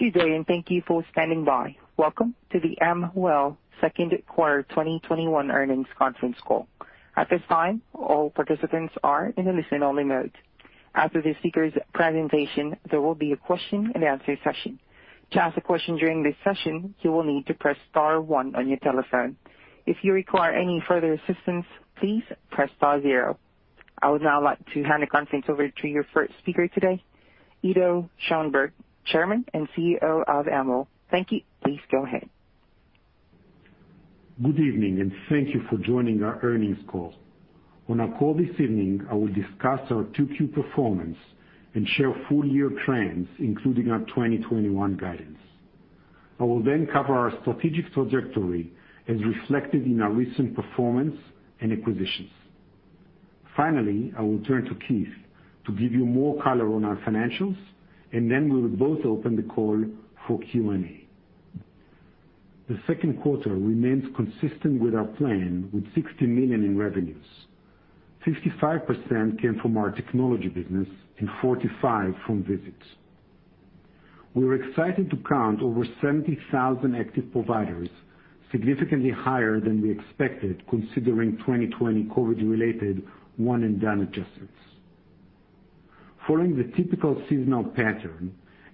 Good day and thank you for standing by. Welcome to the Amwell second quarter 2021 Earnings conference call. At this time, all participants are in a listen-only mode. After the speaker's presentation, there will be a question and answer session. To ask a question during this session, you will need to press star one on your telephone. If you require any further assistance, please press star 0. I would now like to hand the conference over to your first speaker today, Ido Schoenberg, Chairman and CEO of Amwell. Thank you. Please go ahead. Good evening. Thank you for joining our earnings call. On our call this evening, I will discuss our 2Q performance and share full-year trends, including our 2021 guidance. I will cover our strategic trajectory as reflected in our recent performance and acquisitions. Finally, I will turn to Keith to give you more color on our financials. We will both open the call for Q&A. The second quarter remains consistent with our plan, with $60 million in revenues. 55% came from our technology business and 45% from visits. We're excited to count over 70,000 active providers, significantly higher than we expected, considering 2020 COVID-related one-and-done adjustments. Following the typical seasonal pattern,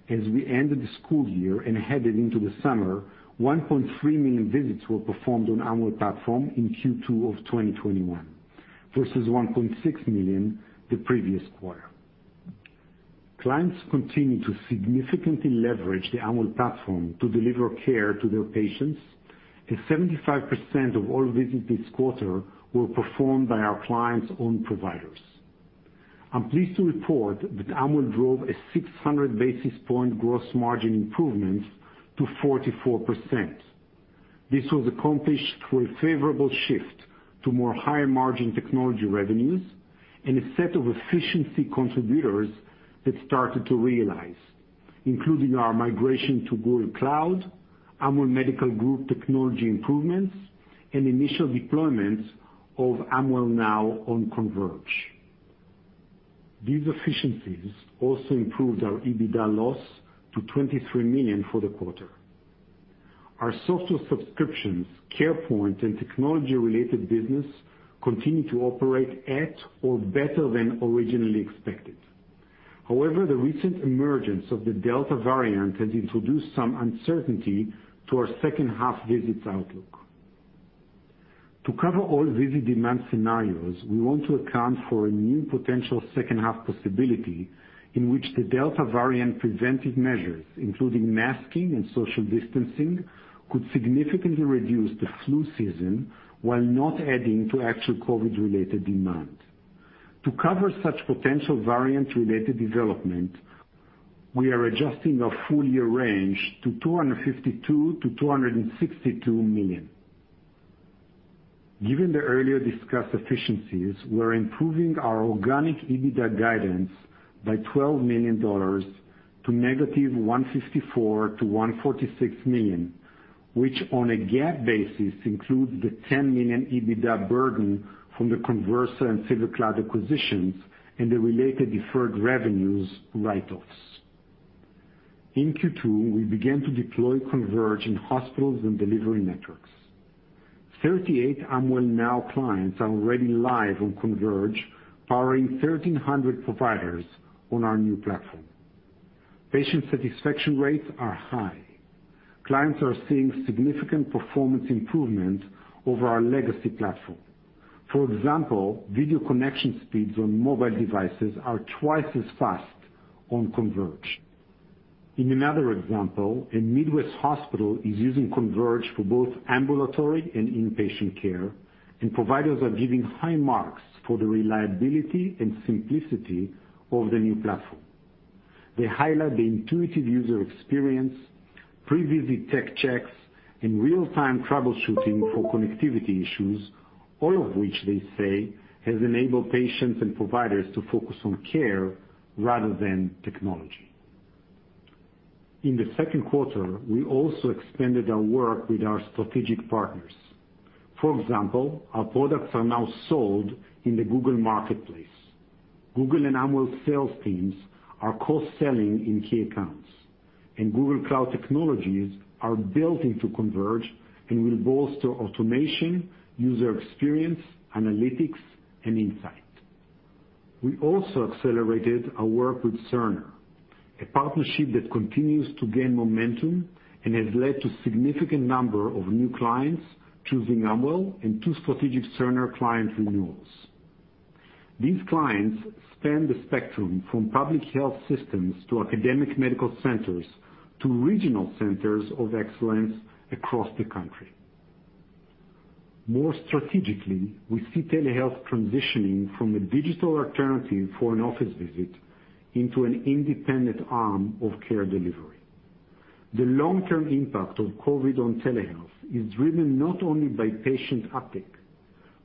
as we ended the school year and headed into the summer, 1.3 million visits were performed on Amwell platform in Q2 2021, versus 1.6 million the previous quarter. Clients continue to significantly leverage the Amwell platform to deliver care to their patients, and 75% of all visits this quarter were performed by our clients' own providers. I'm pleased to report that Amwell drove a 600 basis point gross margin improvement to 44%. This was accomplished through a favorable shift to more higher-margin technology revenues and a set of efficiency contributors that started to realize, including our migration to Google Cloud, Amwell Medical Group technology improvements, and initial deployments of Amwell Now on Converge. These efficiencies also improved our EBITDA loss to $23 million for the quarter. Our software subscriptions, Carepoint, and technology-related business continue to operate at or better than originally expected. However, the recent emergence of the Delta variant has introduced some uncertainty to our second half visits outlook. To cover all visit demand scenarios, we want to account for a new potential second half possibility in which the Delta variant preventive measures, including masking and social distancing, could significantly reduce the flu season while not adding to actual COVID-related demand. To cover such potential variant-related development, we are adjusting our full-year range to $252 million-$262 million. Given the earlier discussed efficiencies, we're improving our organic EBITDA guidance by $12 million to negative $154 million to -$146 million, which on a GAAP basis includes the $10 million EBITDA burden from the Conversa and SilverCloud acquisitions and the related deferred revenues write-offs. In Q2, we began to deploy Converge in hospitals and delivery networks. 38 Amwell Now clients are already live on Converge, powering 1,300 providers on our new platform. Patient satisfaction rates are high. Clients are seeing significant performance improvement over our legacy platform. For example, video connection speeds on mobile devices are twice as fast on Converge. In another example, a Midwest hospital is using Converge for both ambulatory and inpatient care, and providers are giving high marks for the reliability and simplicity of the new platform. They highlight the intuitive user experience, pre-visit tech checks, and real-time troubleshooting for connectivity issues, all of which they say has enabled patients and providers to focus on care rather than technology. In Q2, we also expanded our work with our strategic partners. For example, our products are now sold in the Google Marketplace. Google and Amwell sales teams are cross-selling in key accounts, and Google Cloud technologies are built into Converge and will bolster automation, user experience, analytics, and insight. We also accelerated our work with Cerner, a partnership that continues to gain momentum and has led to significant number of new clients choosing Amwell and two strategic Cerner client renewals. These clients span the spectrum from public health systems to academic medical centers to regional centers of excellence across the country. More strategically, we see telehealth transitioning from a digital alternative for an office visit into an independent arm of care delivery. The long-term impact of COVID on telehealth is driven not only by patient uptick,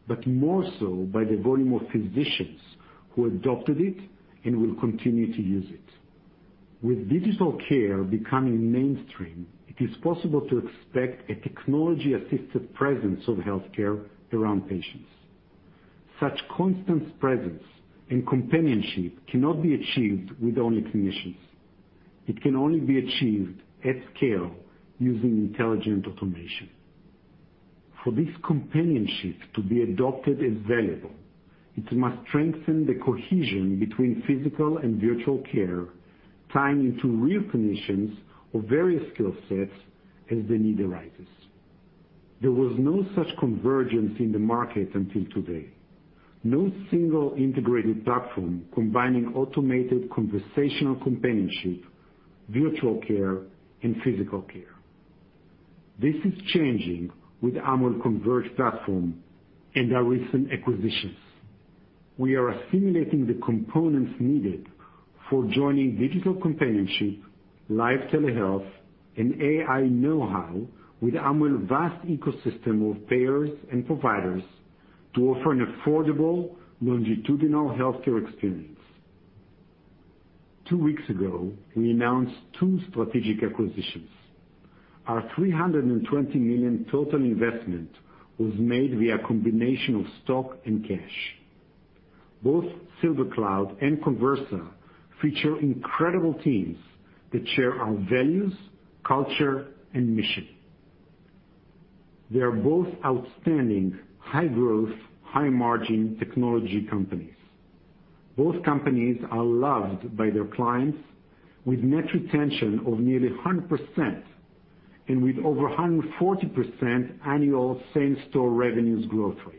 but more so by the volume of physicians who adopted it and will continue to use it. With digital care becoming mainstream, it is possible to expect a technology-assisted presence of healthcare around patients. Such constant presence and companionship cannot be achieved with only clinicians. It can only be achieved at scale using intelligent automation. For this companionship to be adopted as valuable, it must strengthen the cohesion between physical and virtual care, tying into real clinicians of various skill sets as the need arises. There was no such convergence in the market until today. No single integrated platform combining automated conversational companionship, virtual care, and physical care. This is changing with Amwell Converge Platform and our recent acquisitions. We are assimilating the components needed for joining digital companionship, live telehealth, and AI know-how with Amwell's vast ecosystem of payers and providers to offer an affordable longitudinal healthcare experience. Two weeks ago, we announced two strategic acquisitions. Our $320 million total investment was made via a combination of stock and cash. Both SilverCloud and Conversa feature incredible teams that share our values, culture, and mission. They are both outstanding, high growth, high margin technology companies. Both companies are loved by their clients, with net retention of nearly 100% and with over 140% annual same-store revenues growth rate.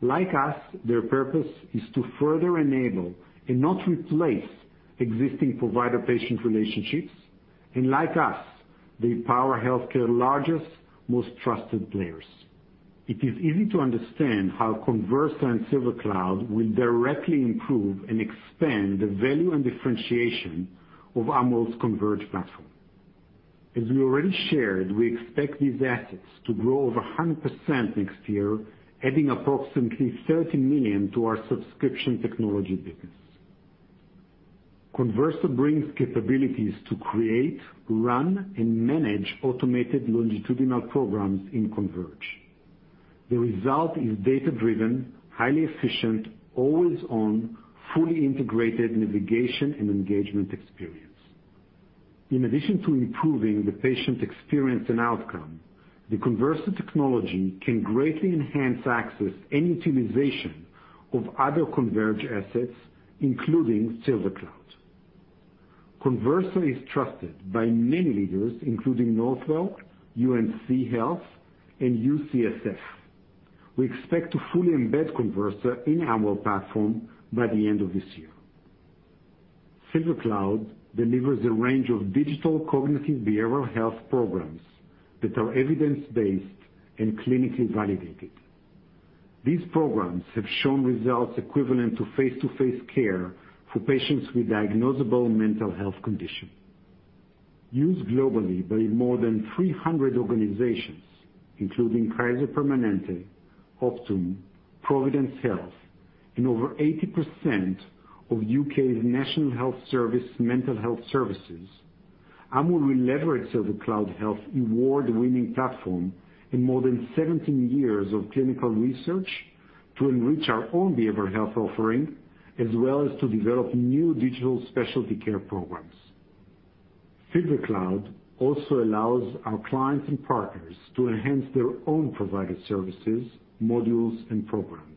Like us, their purpose is to further enable and not replace existing provider-patient relationships. Like us, they power healthcare's largest, most trusted players. It is easy to understand how Conversa and SilverCloud will directly improve and expand the value and differentiation of Amwell's Converge platform. As we already shared, we expect these assets to grow over 100% next year, adding approximately $30 million to our subscription technology business. Conversa brings capabilities to create, run, and manage automated longitudinal programs in Converge. The result is data-driven, highly efficient, always on, fully integrated navigation and engagement experience. In addition to improving the patient experience and outcome, the Conversa technology can greatly enhance access and utilization of other Converge assets, including SilverCloud. Conversa is trusted by many leaders, including Northwell, UNC Health, and UCSF. We expect to fully embed Conversa in Amwell platform by the end of this year. SilverCloud delivers a range of digital cognitive behavioral health programs that are evidence-based and clinically validated. These programs have shown results equivalent to face-to-face care for patients with diagnosable mental health condition. Used globally by more than 300 organizations, including Kaiser Permanente, Optum, Providence Health, and over 80% of U.K.'s National Health Service mental health services. Amwell will leverage SilverCloud Health award-winning platform in more than 17 years of clinical research to enrich our own behavioral health offering, as well as to develop new digital specialty care programs. SilverCloud also allows our clients and partners to enhance their own provider services, modules, and programs.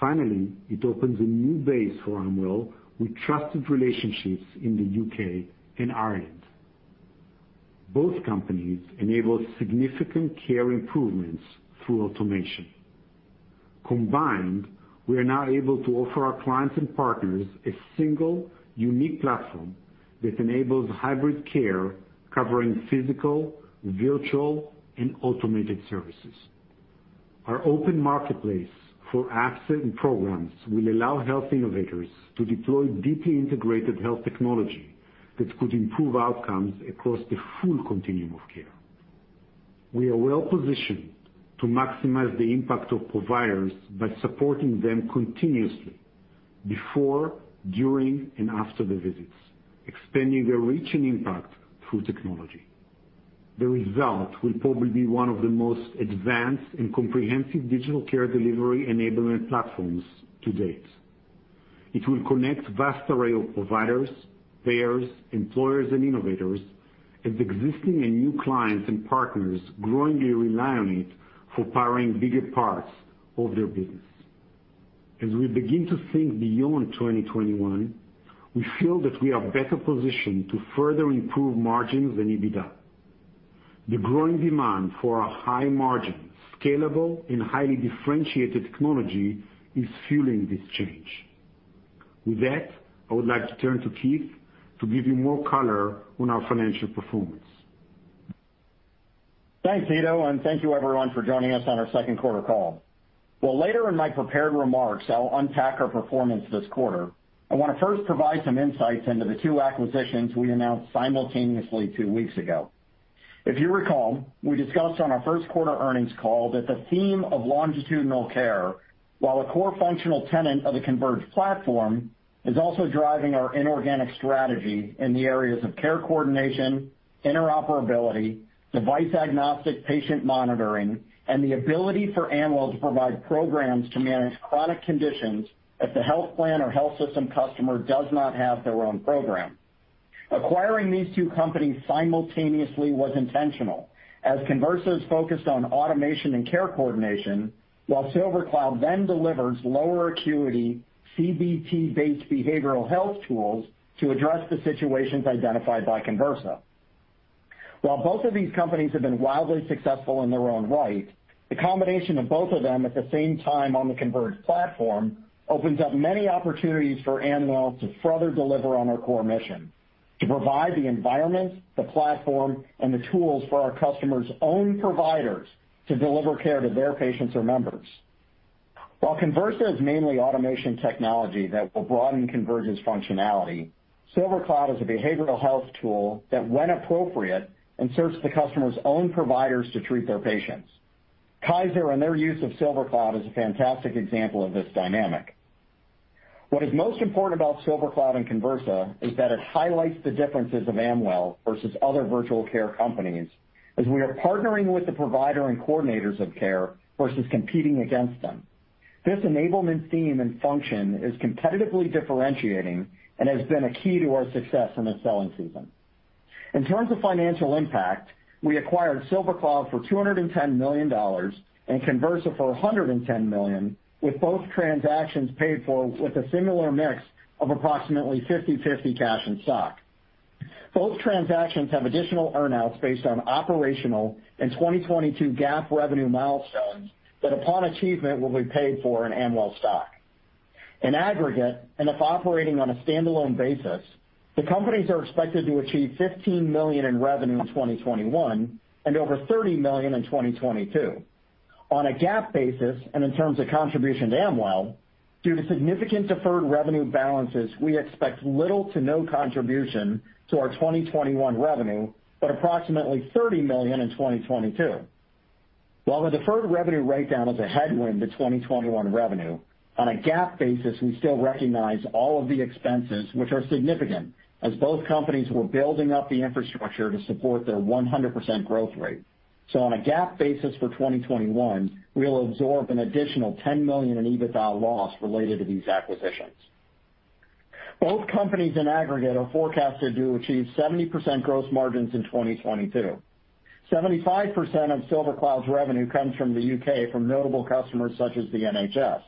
Finally, it opens a new base for Amwell with trusted relationships in the U.K. and Ireland. Both companies enable significant care improvements through automation. Combined, we are now able to offer our clients and partners a single unique platform that enables hybrid care covering physical, virtual, and automated services. Our open marketplace for apps and programs will allow health innovators to deploy deeply integrated health technology that could improve outcomes across the full continuum of care. We are well positioned to maximize the impact of providers by supporting them continuously before, during, and after the visits, expanding their reach and impact through technology. The result will probably be one of the most advanced and comprehensive digital care delivery enablement platforms to date. It will connect vast array of providers, payers, employers, and innovators as existing and new clients and partners growingly rely on it for powering bigger parts of their business. As we begin to think beyond 2021, we feel that we are better positioned to further improve margins and EBITDA. The growing demand for our high margin, scalable, and highly differentiated technology is fueling this change. With that, I would like to turn to Keith to give you more color on our financial performance. Thanks, Ido, and thank you everyone for joining us on our second quarter call. While later in my prepared remarks I'll unpack our performance this quarter, I want to first provide some insights into the two acquisitions we announced simultaneously two weeks ago. If you recall, we discussed on our first quarter earnings call that the theme of longitudinal care, while a core functional tenet of the Converge platform, is also driving our inorganic strategy in the areas of care coordination, interoperability, device-agnostic patient monitoring, and the ability for Amwell to provide programs to manage chronic conditions if the health plan or health system customer does not have their own program. Acquiring these two companies simultaneously was intentional, as Conversa is focused on automation and care coordination, while SilverCloud then delivers lower acuity CBT-based behavioral health tools to address the situations identified by Conversa. While both of these companies have been wildly successful in their own right, the combination of both of them at the same time on the Converge platform opens up many opportunities for Amwell to further deliver on our core mission, to provide the environment, the platform, and the tools for our customers' own providers to deliver care to their patients or members. While Conversa is mainly automation technology that will broaden Converge's functionality, SilverCloud is a behavioral health tool that, when appropriate, inserts the customer's own providers to treat their patients. Kaiser and their use of SilverCloud is a fantastic example of this dynamic. What is most important about SilverCloud and Conversa is that it highlights the differences of Amwell versus other virtual care companies, as we are partnering with the provider and coordinators of care versus competing against them. This enablement theme and function is competitively differentiating and has been a key to our success in the selling season. In terms of financial impact, we acquired SilverCloud for $210 million and Conversa for $110 million, with both transactions paid for with a similar mix of approximately 50/50 cash and stock. Both transactions have additional earn-outs based on operational and 2022 GAAP revenue milestones that, upon achievement, will be paid for in Amwell stock. In aggregate, and if operating on a standalone basis, the companies are expected to achieve $15 million in revenue in 2021 and over $30 million in 2022. On a GAAP basis, and in terms of contribution to Amwell, due to significant deferred revenue balances, we expect little to no contribution to our 2021 revenue, but approximately $30 million in 2022. While the deferred revenue write-down is a headwind to 2021 revenue, on a GAAP basis, we still recognize all of the expenses, which are significant, as both companies were building up the infrastructure to support their 100% growth rate. On a GAAP basis for 2021, we'll absorb an additional $10 million in EBITDA loss related to these acquisitions. Both companies in aggregate are forecasted to achieve 70% gross margins in 2022. 75% of SilverCloud's revenue comes from the U.K. from notable customers such as the NHS.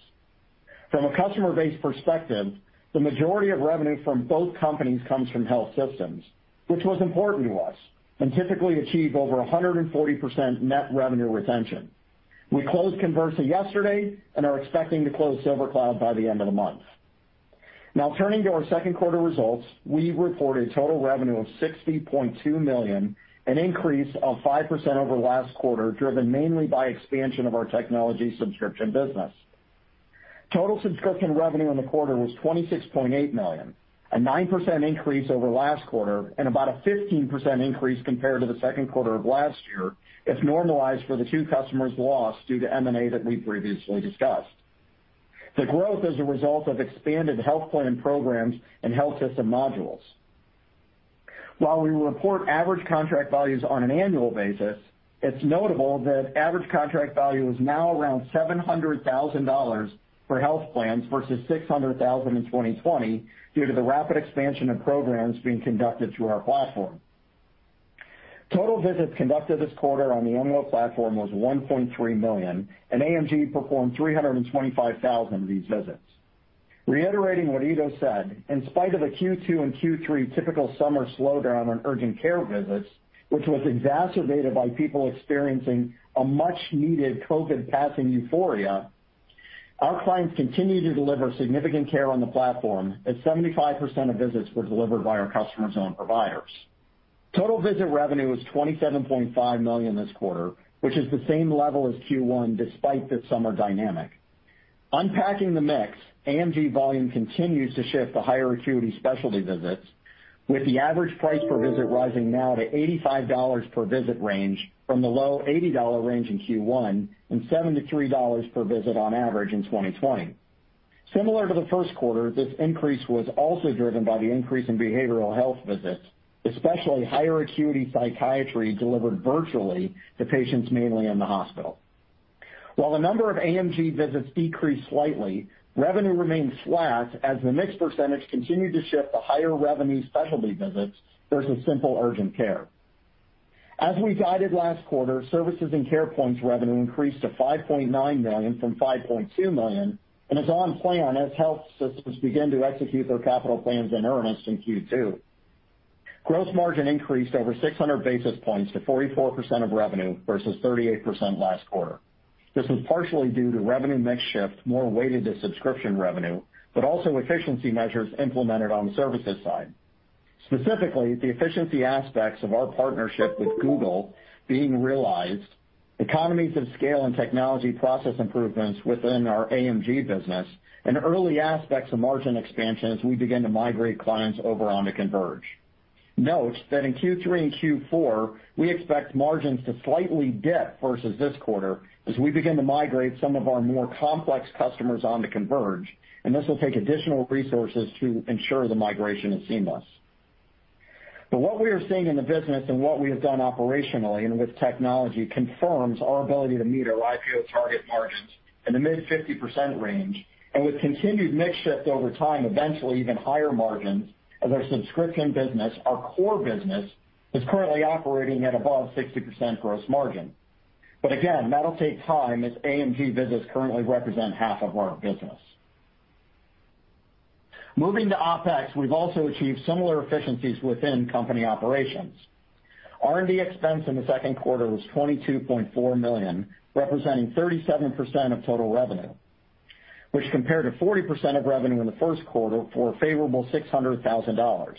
From a customer base perspective, the majority of revenue from both companies comes from health systems, which was important to us, and typically achieve over 140% net revenue retention. We closed Conversa yesterday and are expecting to close SilverCloud by the end of the month. Turning to our second quarter results. We reported total revenue of $60.2 million, an increase of 5% over last quarter, driven mainly by expansion of our technology subscription business. Total subscription revenue in the quarter was $26.8 million, a 9% increase over last quarter and about a 15% increase compared to the second quarter of last year, if normalized for the two customers lost due to M&A that we previously discussed. The growth is a result of expanded health plan programs and health system modules. While we report average contract values on an annual basis, it's notable that average contract value is now around $700,000 for health plans versus $600,000 in 2020 due to the rapid expansion of programs being conducted through our platform. Total visits conducted this quarter on the Amwell platform was 1.3 million, and AMG performed 325,000 of these visits. Reiterating what Ido said, in spite of a Q2 and Q3 typical summer slowdown in urgent care visits, which was exacerbated by people experiencing a much-needed COVID passing euphoria, our clients continued to deliver significant care on the platform as 75% of visits were delivered by our customers' own providers. Total visit revenue was $27.5 million this quarter, which is the same level as Q1 despite this summer dynamic. Unpacking the mix, AMG volume continues to shift to higher acuity specialty visits, with the average price per visit rising now to $85 per visit range from the low $80 range in Q1 and $73 per visit on average in 2020. Similar to the first quarter, this increase was also driven by the increase in behavioral health visits, especially higher acuity psychiatry delivered virtually to patients mainly in the hospital. While the number of AMG visits decreased slightly, revenue remained flat as the mix percentage continued to shift to higher revenue specialty visits versus simple urgent care. As we guided last quarter, services and Carepoints revenue increased to $5.9 million from $5.2 million and is on plan as health systems begin to execute their capital plans in earnest in Q2. Gross margin increased over 600 basis points to 44% of revenue versus 38% last quarter. This was partially due to revenue mix shift more weighted to subscription revenue, also efficiency measures implemented on the services side. Specifically, the efficiency aspects of our partnership with Google being realized, economies of scale and technology process improvements within our AMG business, and early aspects of margin expansion as we begin to migrate clients over onto Converge. Note that in Q3 and Q4, we expect margins to slightly dip versus this quarter as we begin to migrate some of our more complex customers onto Converge, and this will take additional resources to ensure the migration is seamless. What we are seeing in the business and what we have done operationally and with technology confirms our ability to meet our IPO target margins in the mid 50% range, and with continued mix shift over time, eventually even higher margins. Our subscription business, our core business, is currently operating at above 60% gross margin. Again, that'll take time, as AMG business currently represent half of our business. Moving to OpEx, we've also achieved similar efficiencies within company operations. R&D expense in the second quarter was $22.4 million, representing 37% of total revenue, which compared to 40% of revenue in the first quarter for a favorable $600,000.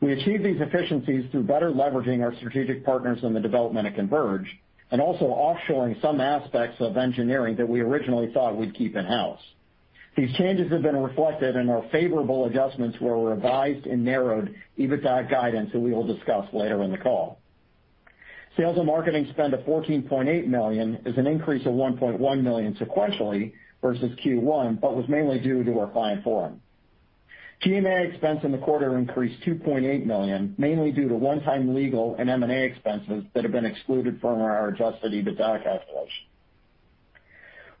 We achieved these efficiencies through better leveraging our strategic partners in the development of Converge and also offshoring some aspects of engineering that we originally thought we'd keep in-house. These changes have been reflected in our favorable adjustments to our revised and narrowed EBITDA guidance that we will discuss later in the call. Sales and marketing spend of $14.8 million is an increase of $1.1 million sequentially versus Q1, but was mainly due to our client forum. G&A expense in the quarter increased $2.8 million, mainly due to one-time legal and M&A expenses that have been excluded from our adjusted EBITDA calculation.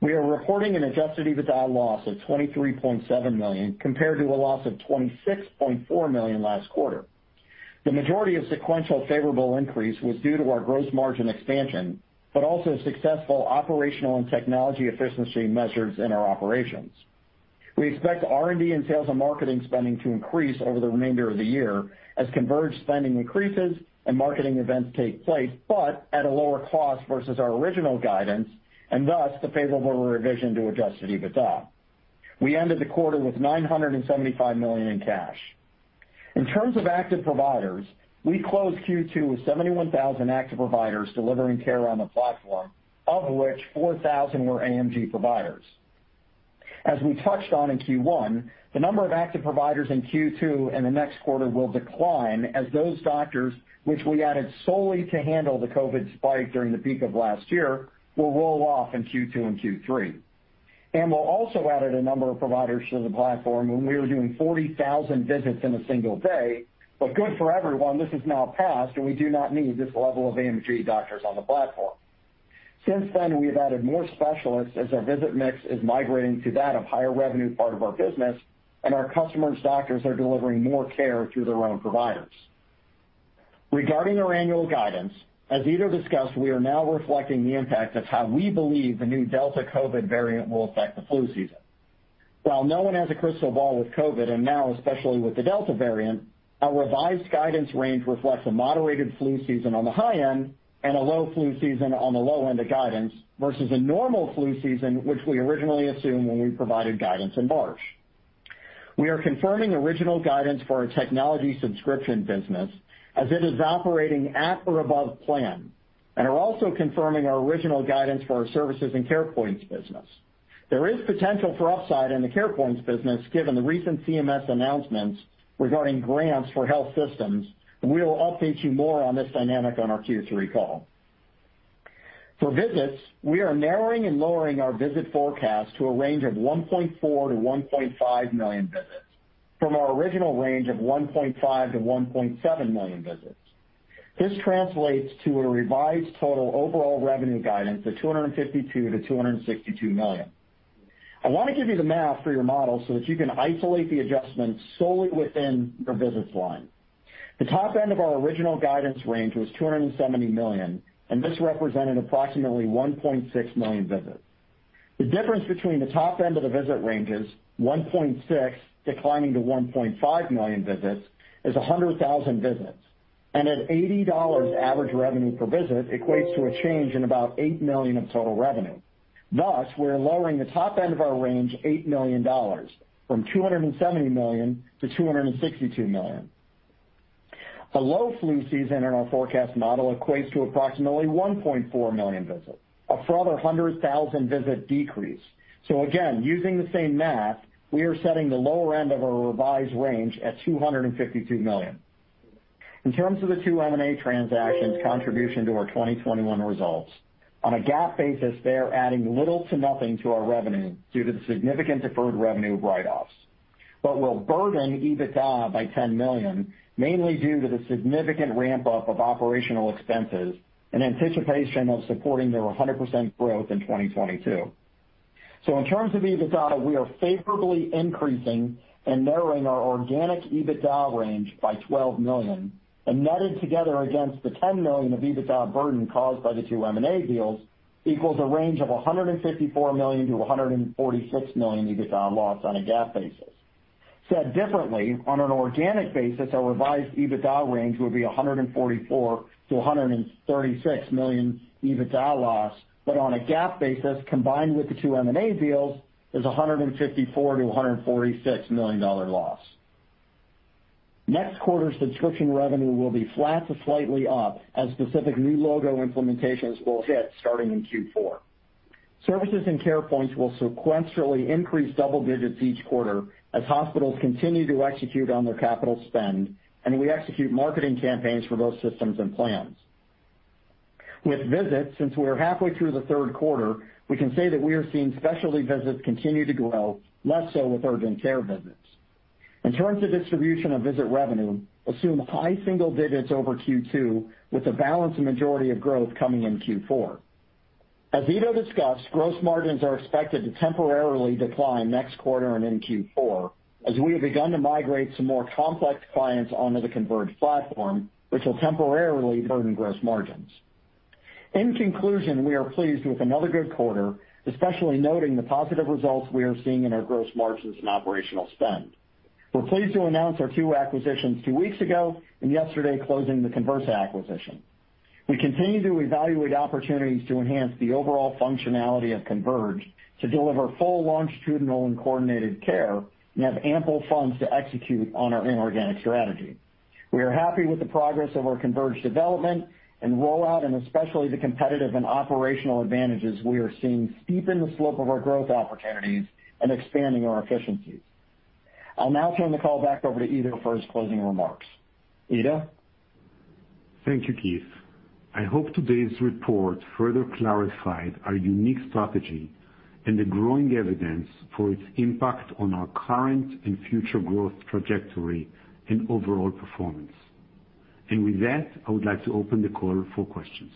We are reporting an adjusted EBITDA loss of $23.7 million compared to a loss of $26.4 million last quarter. The majority of sequential favorable increase was due to our gross margin expansion, but also successful operational and technology efficiency measures in our operations. We expect R&D and sales and marketing spending to increase over the remainder of the year as Converge spending increases and marketing events take place, but at a lower cost versus our original guidance, and thus, the favorable revision to adjusted EBITDA. We ended the quarter with $975 million in cash. In terms of active providers, we closed Q2 with 71,000 active providers delivering care on the platform, of which 4,000 were AMG providers. As we touched on in Q1, the number of active providers in Q2 and the next quarter will decline as those doctors, which we added solely to handle the COVID spike during the peak of last year, will roll off in Q2 and Q3. We also added a number of providers to the platform when we were doing 40,000 visits in a single day. Good for everyone, this has now passed, and we do not need this level of AMG doctors on the platform. Since then, we have added more specialists as our visit mix is migrating to that of higher revenue part of our business, and our customers' doctors are delivering more care through their own providers. Regarding our annual guidance, as Ido discussed, we are now reflecting the impact of how we believe the new Delta variant will affect the flu season. While no one has a crystal ball with COVID, and now especially with the Delta variant, our revised guidance range reflects a moderated flu season on the high end and a low flu season on the low end of guidance, versus a normal flu season, which we originally assumed when we provided guidance in March. We are confirming original guidance for our technology subscription business as it is operating at or above plan, and are also confirming our original guidance for our services and CarePoints business. There is potential for upside in the Carepoints business given the recent CMS announcements regarding grants for health systems, and we will update you more on this dynamic on our Q3 call. For visits, we are narrowing and lowering our visit forecast to a range of 1.4 million-1.5 million visits, from our original range of 1.5 million-1.7 million visits. This translates to a revised total overall revenue guidance of $252 million-$262 million. I want to give you the math for your model so that you can isolate the adjustments solely within your visits line. The top end of our original guidance range was $270 million, and this represented approximately 1.6 million visits. The difference between the top end of the visit ranges, 1.6 declining to 1.5 million visits, is 100,000 visits, and at $80 average revenue per visit, equates to a change in about $8 million of total revenue. We're lowering the top end of our range $8 million, from $270 million-$262 million. A low flu season in our forecast model equates to approximately 1.4 million visits, a further 100,000 visit decrease. Again, using the same math, we are setting the lower end of our revised range at $252 million. In terms of the two M&A transactions' contribution to our 2021 results, on a GAAP basis, they are adding little to nothing to our revenue due to the significant deferred revenue write-offs. Will burden EBITDA by $10 million, mainly due to the significant ramp-up of operational expenses in anticipation of supporting their 100% growth in 2022. In terms of EBITDA, we are favorably increasing and narrowing our organic EBITDA range by $12 million, and netted together against the $10 million of EBITDA burden caused by the two M&A deals equals a range of $154 million-$146 million EBITDA loss on a GAAP basis. Said differently, on an organic basis, our revised EBITDA range would be $144 million-$136 million EBITDA loss. On a GAAP basis, combined with the two M&A deals, is $154 million-$146 million loss. Next quarter's subscription revenue will be flat to slightly up as specific new logo implementations will hit starting in Q4. Services and Carepoints will sequentially increase double digits each quarter as hospitals continue to execute on their capital spend, and we execute marketing campaigns for both systems and plans. With visits, since we're halfway through the third quarter, we can say that we are seeing specialty visits continue to grow, less so with urgent care visits. In terms of distribution of visit revenue, assume high single digits over Q2 with the balance and majority of growth coming in Q4. As Ido discussed, gross margins are expected to temporarily decline next quarter and in Q4 as we have begun to migrate some more complex clients onto the Converge platform, which will temporarily burden gross margins. In conclusion, we are pleased with another good quarter, especially noting the positive results we are seeing in our gross margins and operational spend. We're pleased to announce our two acquisitions two weeks ago, yesterday closing the Conversa acquisition. We continue to evaluate opportunities to enhance the overall functionality of Converge to deliver full longitudinal and coordinated care, and have ample funds to execute on our inorganic strategy. We are happy with the progress of our converged development and rollout, and especially the competitive and operational advantages we are seeing steepen the slope of our growth opportunities and expanding our efficiencies. I'll now turn the call back over to Ido for his closing remarks. Ido? Thank you, Keith. I hope today's report further clarified our unique strategy and the growing evidence for its impact on our current and future growth trajectory and overall performance. With that, I would like to open the call for questions.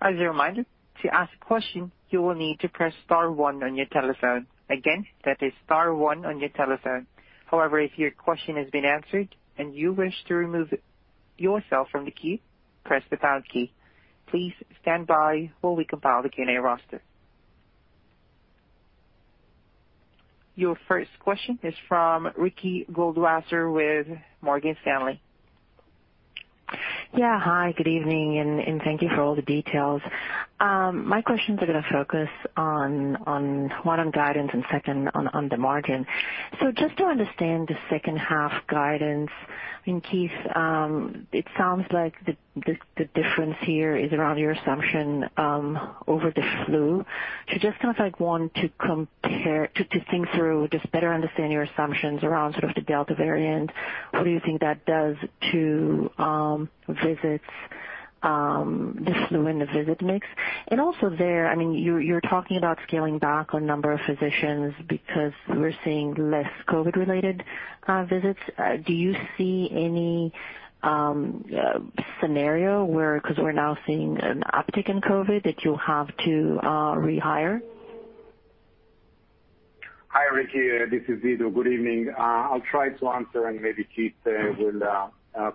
As a reminder, to ask a question, you will need to press star one on your telephone. That is star one on your telephone. If your question has been answered and you wish to remove yourself from the queue, press the pound key. Please stand by while we compile the Q&A roster. Your first question is from Ricky Goldwasser with Morgan Stanley. Yeah. Hi, good evening, thank you for all the details. My questions are going to focus on, one, on guidance, and second, on the margin. Just to understand the second half guidance, and Keith, it sounds like the difference here is around your assumption over the flu. Just kind of like want to think through, just better understand your assumptions around sort of the Delta variant. What do you think that does to visits, the flu and the visit mix? Also there, you're talking about scaling back on number of physicians because we're seeing less COVID-related visits. Do you see any scenario where, because we're now seeing an uptick in COVID, that you'll have to rehire? Hi, Ricky. This is Ido. Good evening. I'll try to answer, and maybe Keith will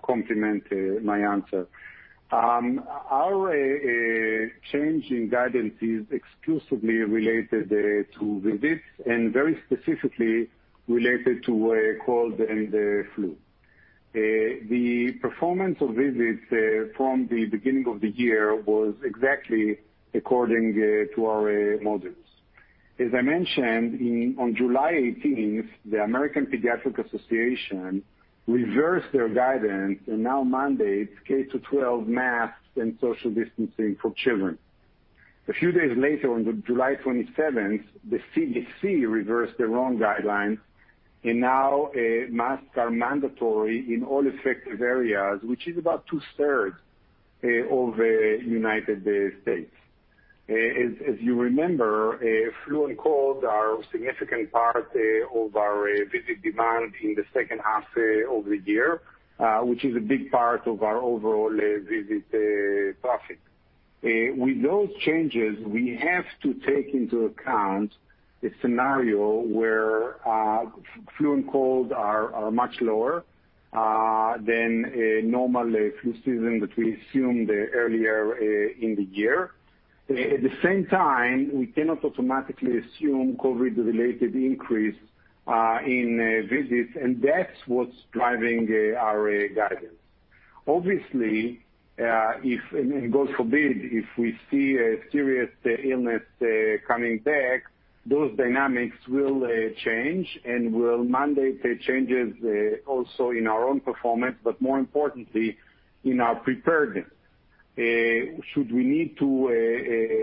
complement my answer. Our change in guidance is exclusively related to visits, and very specifically related to cold and the flu. The performance of visits from the beginning of the year was exactly according to our models. As I mentioned, on July 18th, the American Academy of Pediatrics reversed their guidance and now mandates K-12 masks and social distancing for children. A few days later, on July 27th, the CDC reversed their own guidelines, and now masks are mandatory in all affected areas, which is about two-thirds of the U.S. As you remember, flu and cold are a significant part of our visit demand in the second half of the year, which is a big part of our overall visit profit. With those changes, we have to take into account a scenario where flu and cold are much lower than a normal flu season that we assumed earlier in the year. At the same time, we cannot automatically assume COVID-related increase in visits, that's what's driving our guidance. Obviously, if, and God forbid, if we see a serious illness coming back, those dynamics will change and will mandate changes also in our own performance, but more importantly, in our preparedness. Should we need to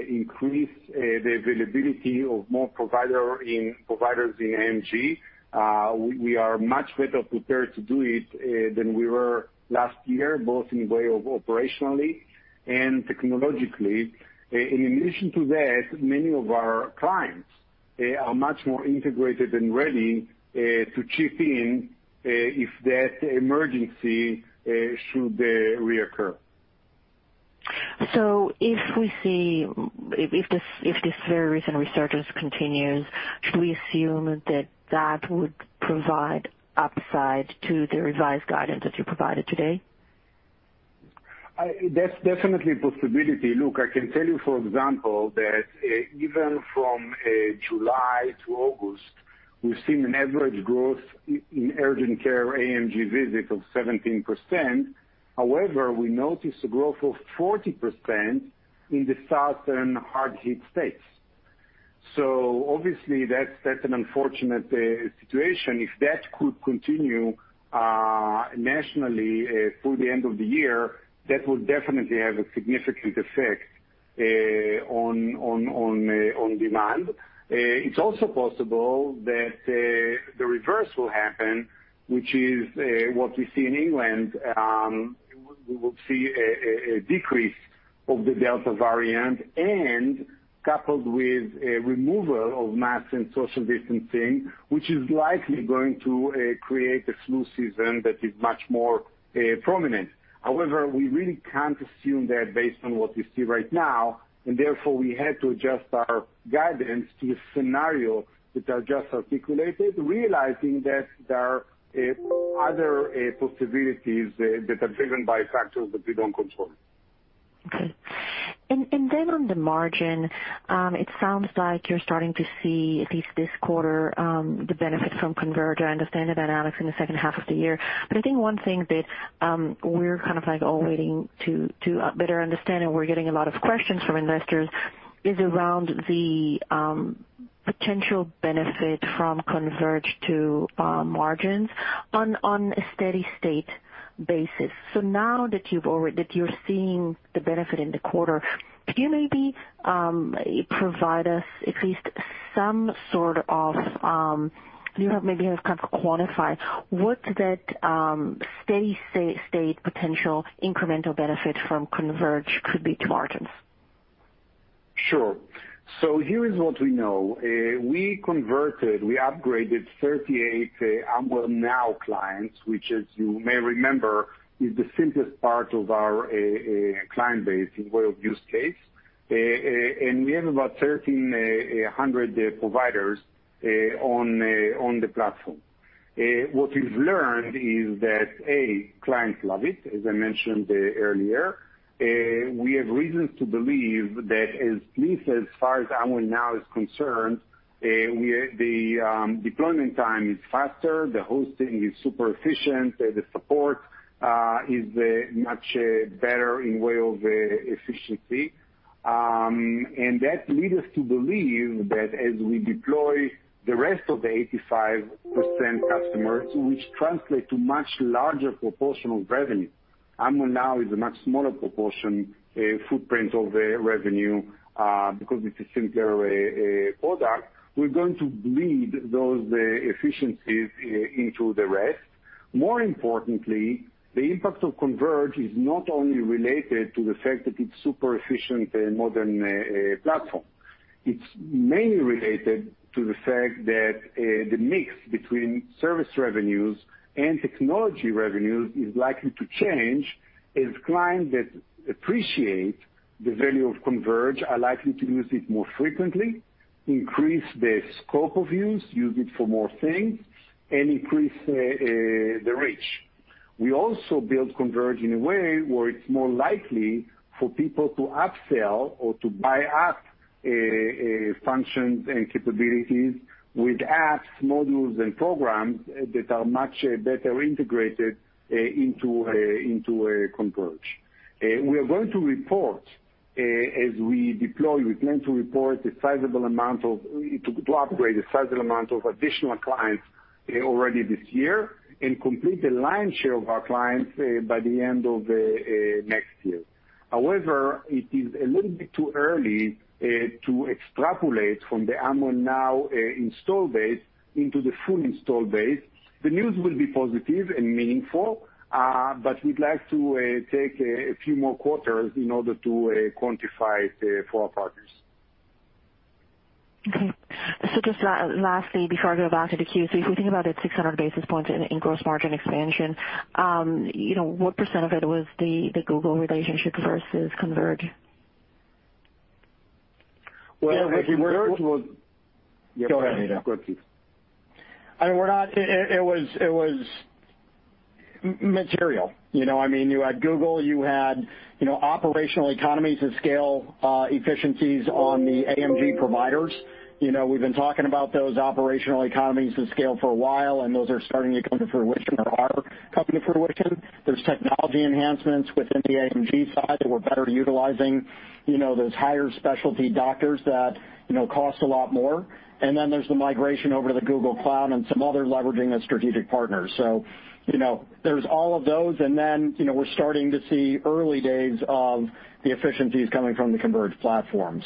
increase the availability of more providers in AMG, we are much better prepared to do it than we were last year, both in way of operationally and technologically. In addition to that, many of our clients are much more integrated and ready to chip in if that emergency should reoccur. If this virus and resurgence continues, should we assume that that would provide upside to the revised guidance that you provided today? That's definitely a possibility. Look, I can tell you, for example, that even from July to August, we've seen an average growth in urgent care AMG visits of 17%. However, we noticed a growth of 40% in the southern hard-hit states. Obviously that's an unfortunate situation. If that could continue nationally through the end of the year, that will definitely have a significant effect on demand. It's also possible that the reverse will happen, which is what we see in England. We will see a decrease of the Delta variant, and coupled with a removal of masks and social distancing, which is likely going to create a flu season that is much more prominent. However, we really can't assume that based on what we see right now, and therefore, we had to adjust our guidance to a scenario that I just articulated, realizing that there are other possibilities that are driven by factors that we don't control. Okay. On the margin, it sounds like you're starting to see at least this quarter, the benefit from Converge. I understand the dynamics in the second half of the year, but I think one thing that we're all waiting to better understand, and we're getting a lot of questions from investors, is around the potential benefit from Converge to margins on a steady state basis. Now that you're seeing the benefit in the quarter, could you maybe provide us at least some sort of, maybe kind of quantify what that steady state potential incremental benefit from Converge could be to margins? Sure. Here is what we know. We upgraded 38 Amwell Now clients, which as you may remember, is the simplest part of our client base in way of use case. We have about 1,300 providers on the platform. What we've learned is that, A, clients love it, as I mentioned earlier. We have reasons to believe that at least as far as Amwell Now is concerned, the deployment time is faster, the hosting is super efficient, the support is much better in way of efficiency. That lead us to believe that as we deploy the rest of the 85% customers, which translate to much larger proportion of revenue, Amwell Now is a much smaller proportion footprint of the revenue, because it's a simpler product. We're going to bleed those efficiencies into the rest. More importantly, the impact of Converge is not only related to the fact that it's super efficient, modern platform. It's mainly related to the fact that the mix between service revenues and technology revenues is likely to change, as clients that appreciate the value of Converge are likely to use it more frequently, increase the scope of use it for more things, and increase the reach. We also build Converge in a way where it's more likely for people to upsell or to buy app functions and capabilities with apps, modules, and programs that are much better integrated into Converge. We are going to report, as we deploy, we plan to upgrade a sizable amount of additional clients already this year and complete the lion's share of our clients by the end of next year. It is a little bit too early to extrapolate from the Amwell Now install base into the full install base. The news will be positive and meaningful, but we'd like to take a few more quarters in order to quantify it for our partners. Okay. Just lastly, before I go back to the queue, if we think about it, 600 basis points in gross margin expansion, what percent of it was the Google relationship versus Converge? Well, Converge. Yeah, Ricky. Go ahead, Ido. Go ahead, Keith. I mean, it was material. You had Google, you had operational economies of scale efficiencies on the AMG providers. We've been talking about those operational economies of scale for a while, and those are starting to come to fruition or are coming to fruition. There's technology enhancements within the AMG side that we're better utilizing. Those higher specialty doctors that cost a lot more. There's the migration over to the Google Cloud and some other leveraging of strategic partners. There's all of those, and then, we're starting to see early days of the efficiencies coming from the Converge platform.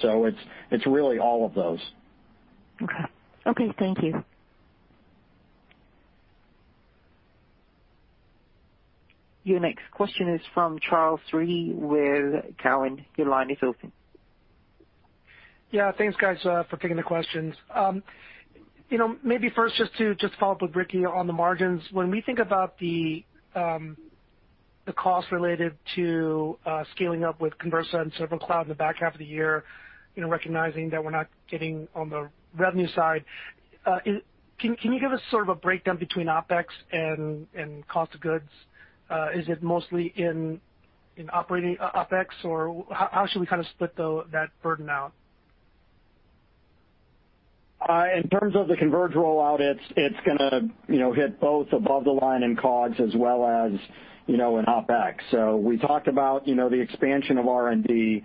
It's really all of those. Okay, thank you. Your next question is from Charles Rhyee with Cowen. Your line is open. Yeah. Thanks, guys, for taking the questions. Maybe first, just to follow up with Ricky Goldwasser on the margins. When we think about the cost related to scaling up with Conversa and SilverCloud in the back half of the year, recognizing that we're not getting on the revenue side, can you give us sort of a breakdown between OpEx and cost of goods? Is it mostly in operating OpEx, or how should we kind of split that burden out? In terms of the Converge rollout, it's going to hit both above the line in COGS as well as in OpEx. We talked about the expansion of R&D.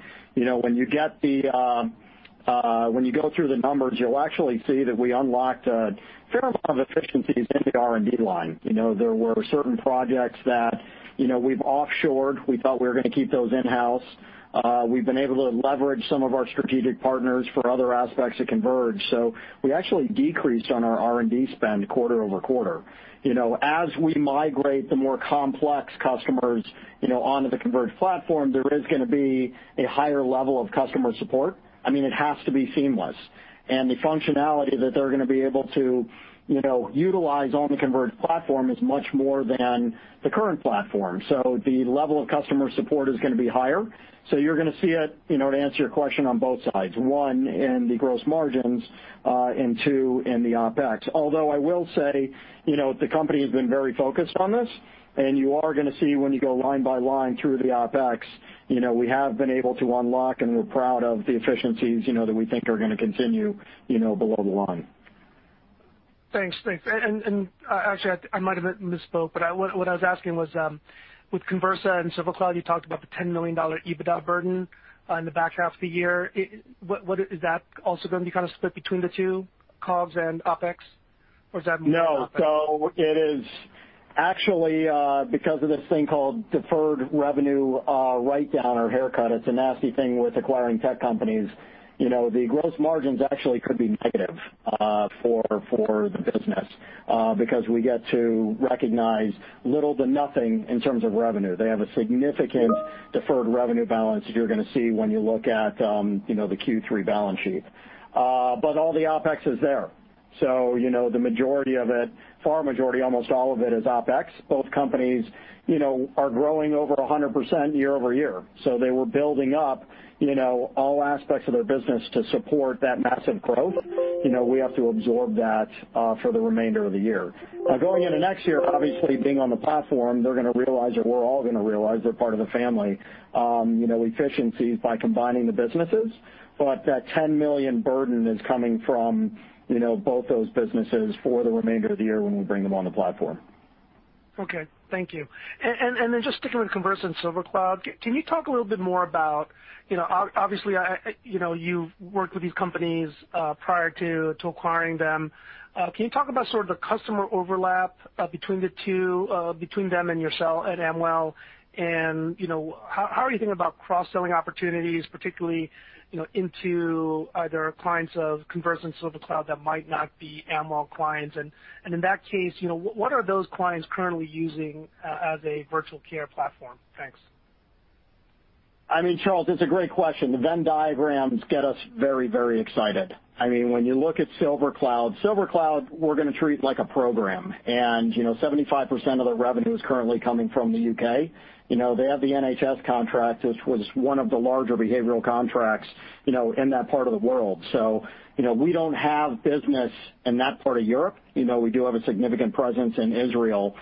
When you go through the numbers, you'll actually see that we unlocked a fair amount of efficiencies in the R&D line. There were certain projects that we've offshored. We thought we were going to keep those in-house. We've been able to leverage some of our strategic partners for other aspects of Converge. We actually decreased on our R&D spend quarter-over-quarter. As we migrate the more complex customers onto the Converge platform, there is going to be a higher level of customer support. I mean, it has to be seamless. The functionality that they're going to be able to utilize on the Converge platform is much more than the current platform. The level of customer support is going to be higher. You're going to see it, to answer your question, on both sides, one, in the gross margins, and two, in the OpEx. Although I will say, the company has been very focused on this, and you are going to see when you go line by line through the OpEx, we have been able to unlock, and we're proud of the efficiencies that we think are going to continue below the line. Thanks. Actually, I might have misspoke, but what I was asking was, with Conversa and SilverCloud Health, you talked about the $10 million EBITDA burden in the back half of the year. Is that also going to be kind of split between the two, COGS and OpEx? Is that more OpEx? No. It is actually because of this thing called deferred revenue write-down or haircut. It's a nasty thing with acquiring tech companies. The gross margins actually could be negative for the business because we get to recognize little to nothing in terms of revenue. They have a significant deferred revenue balance that you're going to see when you look at the Q3 balance sheet. All the OpEx is there. The majority of it, far majority, almost all of it is OpEx. Both companies are growing over 100% year-over-year. They were building up all aspects of their business to support that massive growth. We have to absorb that for the remainder of the year. Going into next year, obviously being on the platform, they're going to realize, or we're all going to realize, they're part of the family, efficiencies by combining the businesses. That $10 million burden is coming from both those businesses for the remainder of the year when we bring them on the platform. Okay. Thank you. Just sticking with Conversa and SilverCloud, can you talk a little bit more about, obviously, you've worked with these companies prior to acquiring them. Can you talk about sort of the customer overlap between the two, between them and yourself at Amwell? How are you thinking about cross-selling opportunities, particularly into either clients of Conversa and SilverCloud that might not be Amwell clients? In that case, what are those clients currently using as a virtual care platform? Thanks. Charles, it's a great question. The Venn diagrams get us very excited. When you look at SilverCloud, we're going to treat like a program. 75% of their revenue is currently coming from the U.K. They have the NHS contract, which was one of the larger behavioral contracts in that part of the world. We don't have business in that part of Europe. We do have a significant presence in Israel.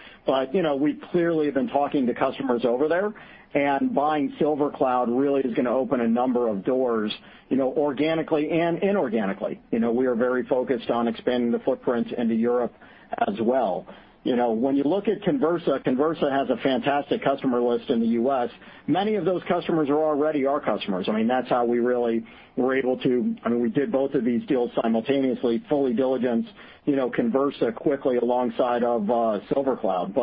We clearly have been talking to customers over there, and buying SilverCloud really is going to open a number of doors organically and inorganically. We are very focused on expanding the footprint into Europe as well. When you look at Conversa has a fantastic customer list in the U.S. Many of those customers are already our customers. I mean, we did both of these deals simultaneously, fully diligenced Conversa quickly alongside of SilverCloud.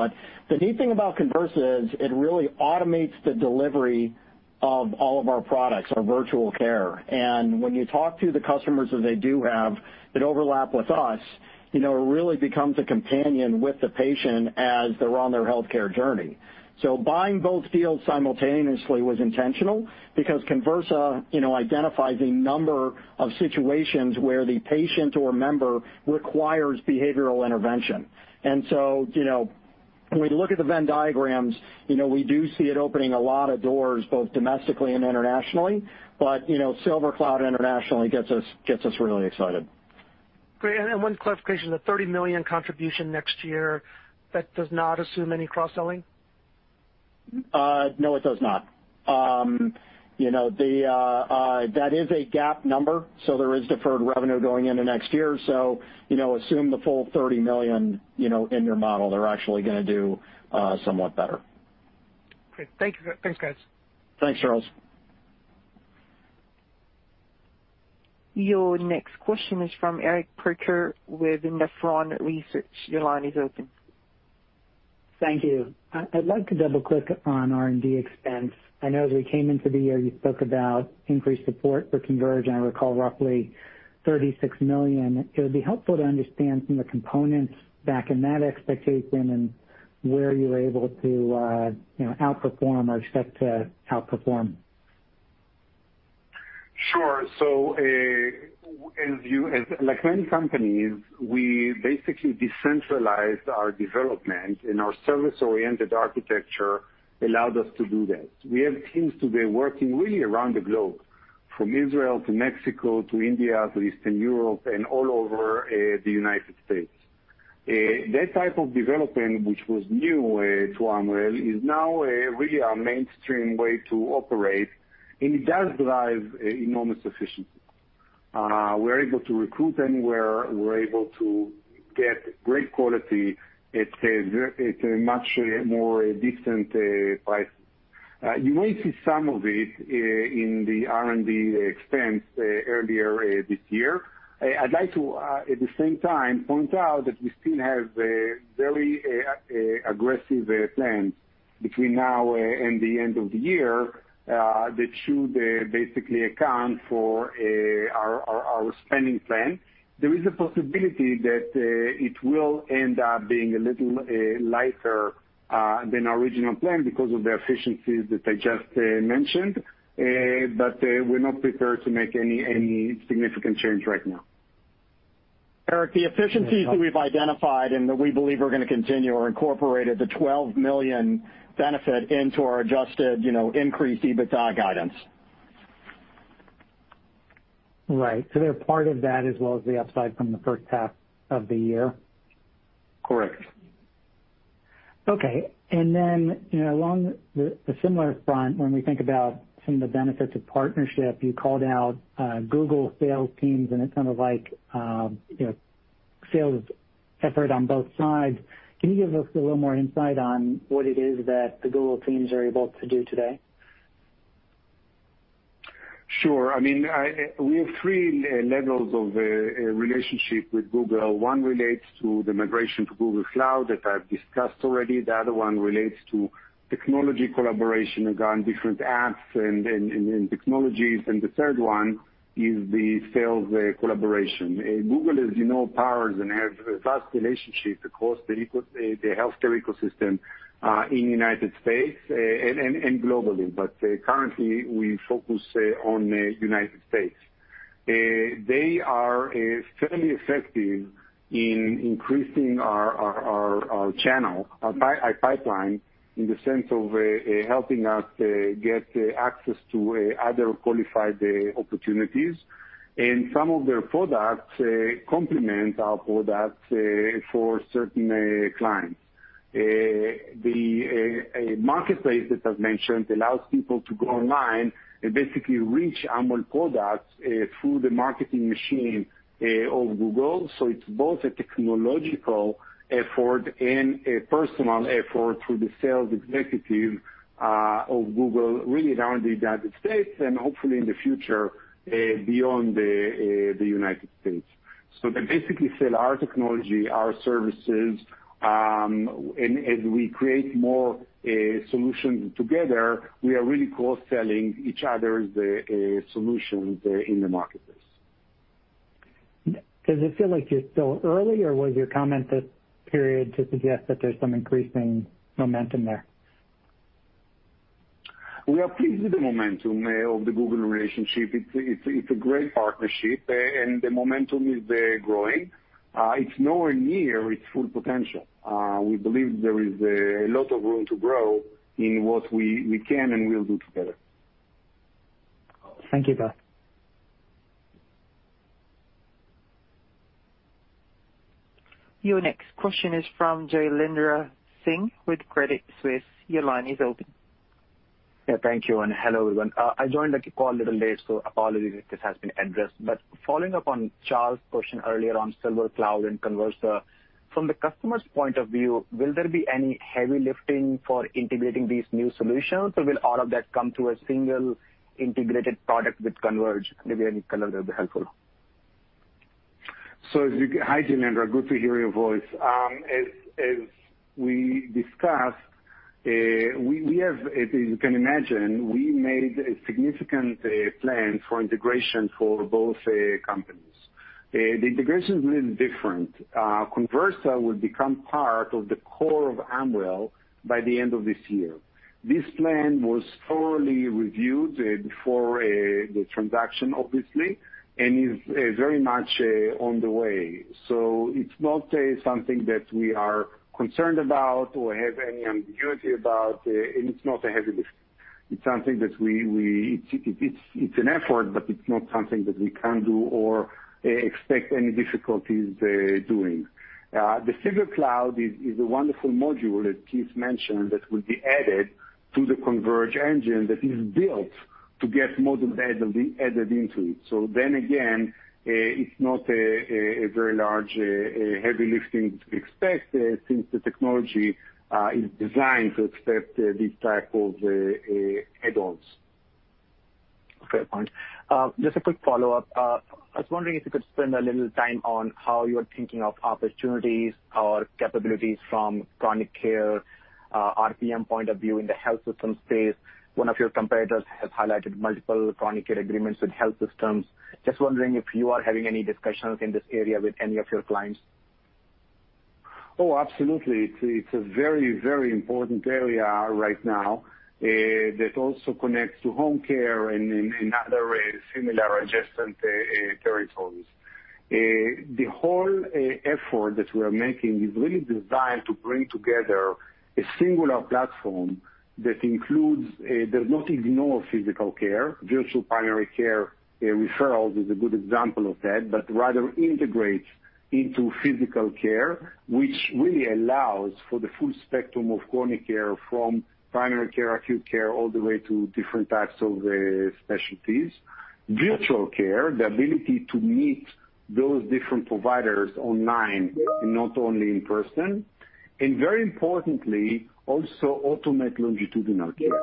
The neat thing about Conversa is it really automates the delivery of all of our products, our virtual care. When you talk to the customers that they do have that overlap with us, it really becomes a companion with the patient as they're on their healthcare journey. Buying both deals simultaneously was intentional because Conversa identifies a number of situations where the patient or member requires behavioral intervention. When we look at the Venn diagrams, we do see it opening a lot of doors, both domestically and internationally. SilverCloud internationally gets us really excited. Great. One clarification, the $30 million contribution next year, that does not assume any cross-selling? No, it does not. That is a GAAP number, so there is deferred revenue going into next year. Assume the full $30 million in your model. They're actually going to do somewhat better. Great. Thanks, guys. Thanks, Charles. Your next question is from Eric Percher with Nephron Research. Your line is open. Thank you. I'd like to double-click on R&D expense. I know as we came into the year, you spoke about increased support for Converge, and I recall roughly $36 million. It would be helpful to understand some of the components back in that expectation and where you were able to outperform or expect to outperform. Sure. Like many companies, we basically decentralized our development, and our service-oriented architecture allowed us to do that. We have teams today working really around the globe, from Israel to Mexico to India to Eastern Europe and all over the U.S. That type of development, which was new to Amwell, is now really a mainstream way to operate, and it does drive enormous efficiency. We're able to recruit anywhere, we're able to get great quality at a much more decent price. You may see some of it in the R&D expense earlier this year. I'd like to, at the same time, point out that we still have very aggressive plans between now and the end of the year that should basically account for our spending plan. There is a possibility that it will end up being a little lighter than our original plan because of the efficiencies that I just mentioned, but we're not prepared to make any significant change right now. Eric, the efficiencies that we've identified and that we believe are going to continue are incorporated, the $12 million benefit into our adjusted increase EBITDA guidance. Right. They're part of that as well as the upside from the first half of the year? Correct. Okay. Along the similar front, when we think about some of the benefits of partnership, you called out Google sales teams and it's kind of like a sales effort on both sides. Can you give us a little more insight on what it is that the Google teams are able to do today? Sure. We have three levels of relationship with Google. One relates to the migration to Google Cloud that I've discussed already. The other one relates to technology collaboration around different apps and technologies. The third one is the sales collaboration. Google, as you know, powers and has vast relationships across the healthcare ecosystem, in U.S. and globally. Currently, we focus on U.S. They are fairly effective in increasing our channel, our pipeline, in the sense of helping us get access to other qualified opportunities. Some of their products complement our products for certain clients. The marketplace that I've mentioned allows people to go online and basically reach Amwell products through the marketing machine of Google. It's both a technological effort and a personal effort through the sales executive of Google, really around the U.S. and hopefully in the future, beyond the U.S. They basically sell our technology, our services, and we create more solutions together. We are really cross-selling each other's solutions in the marketplace. Does it feel like you're still early, or was your comment this period to suggest that there's some increasing momentum there? We are pleased with the momentum of the Google relationship. It's a great partnership, and the momentum is growing. It's nowhere near its full potential. We believe there is a lot of room to grow in what we can and will do together. Thank you, Ido. Your next question is from Jailendra Singh with Credit Suisse. Your line is open. Yeah, thank you and hello, everyone. I joined the call a little late, so apologies if this has been addressed. Following up on Charles' question earlier on SilverCloud and Conversa, from the customer's point of view, will there be any heavy lifting for integrating these new solutions, or will all of that come through a single integrated product with Converge? Maybe any color there would be helpful. Hi, Jailendra. Good to hear your voice. As we discussed, as you can imagine, we made a significant plan for integration for both companies. The integration is a little different. Conversa will become part of the core of Amwell by the end of this year. This plan was thoroughly reviewed before the transaction, obviously, and is very much on the way. It's not something that we are concerned about or have any ambiguity about, and it's not a heavy lift. It's an effort, but it's not something that we can't do or expect any difficulties doing. The SilverCloud is a wonderful module that Keith mentioned, that will be added to the Converge engine that is built to get modules added into it. Again, it's not a very large heavy lifting to be expected since the technology is designed to accept these type of add-ons. Fair point. Just a quick follow-up. I was wondering if you could spend a little time on how you are thinking of opportunities or capabilities from chronic care, RPM point of view in the health system space. One of your competitors has highlighted multiple chronic care agreements with health systems. Just wondering if you are having any discussions in this area with any of your clients. Oh, absolutely. It's a very important area right now that also connects to home care and other similar adjacent territories. The whole effort that we are making is really designed to bring together a singular platform that does not ignore physical care, virtual primary care referrals is a good example of that, but rather integrates into physical care, which really allows for the full spectrum of chronic care from primary care, acute care, all the way to different types of specialties. Virtual care, the ability to meet those different providers online and not only in person, and very importantly, also automate longitudinal care.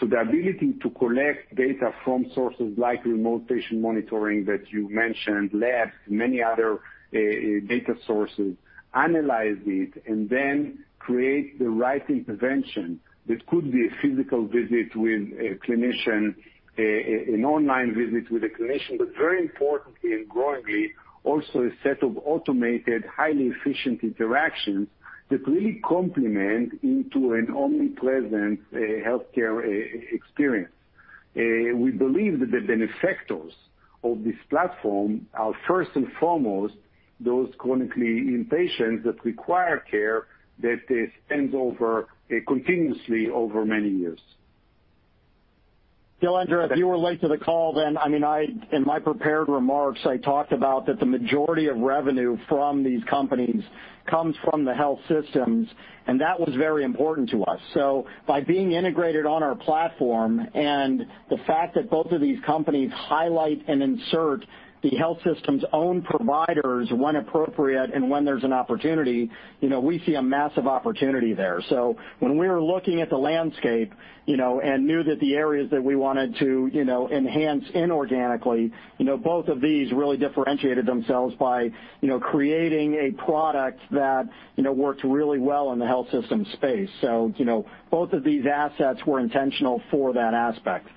The ability to collect data from sources like remote patient monitoring that you mentioned, labs, many other data sources, analyze it, and then create the right intervention. That could be a physical visit with a clinician, an online visit with a clinician, very importantly and growingly, also a set of automated, highly efficient interactions that really complement into an omnipresent healthcare experience. We believe that the benefactors of this platform are first and foremost, those chronically ill patients that require care, that it extends continuously over many years. Jailendra, if you were late to the call, in my prepared remarks, I talked about that the majority of revenue from these companies comes from the health systems, and that was very important to us. By being integrated on our platform and the fact that both of these companies highlight and insert the health system's own providers when appropriate and when there's an opportunity, we see a massive opportunity there. When we're looking at the landscape, and knew that the areas that we wanted to enhance inorganically, both of these really differentiated themselves by creating a product that worked really well in the health system space. Both of these assets were intentional for that aspect.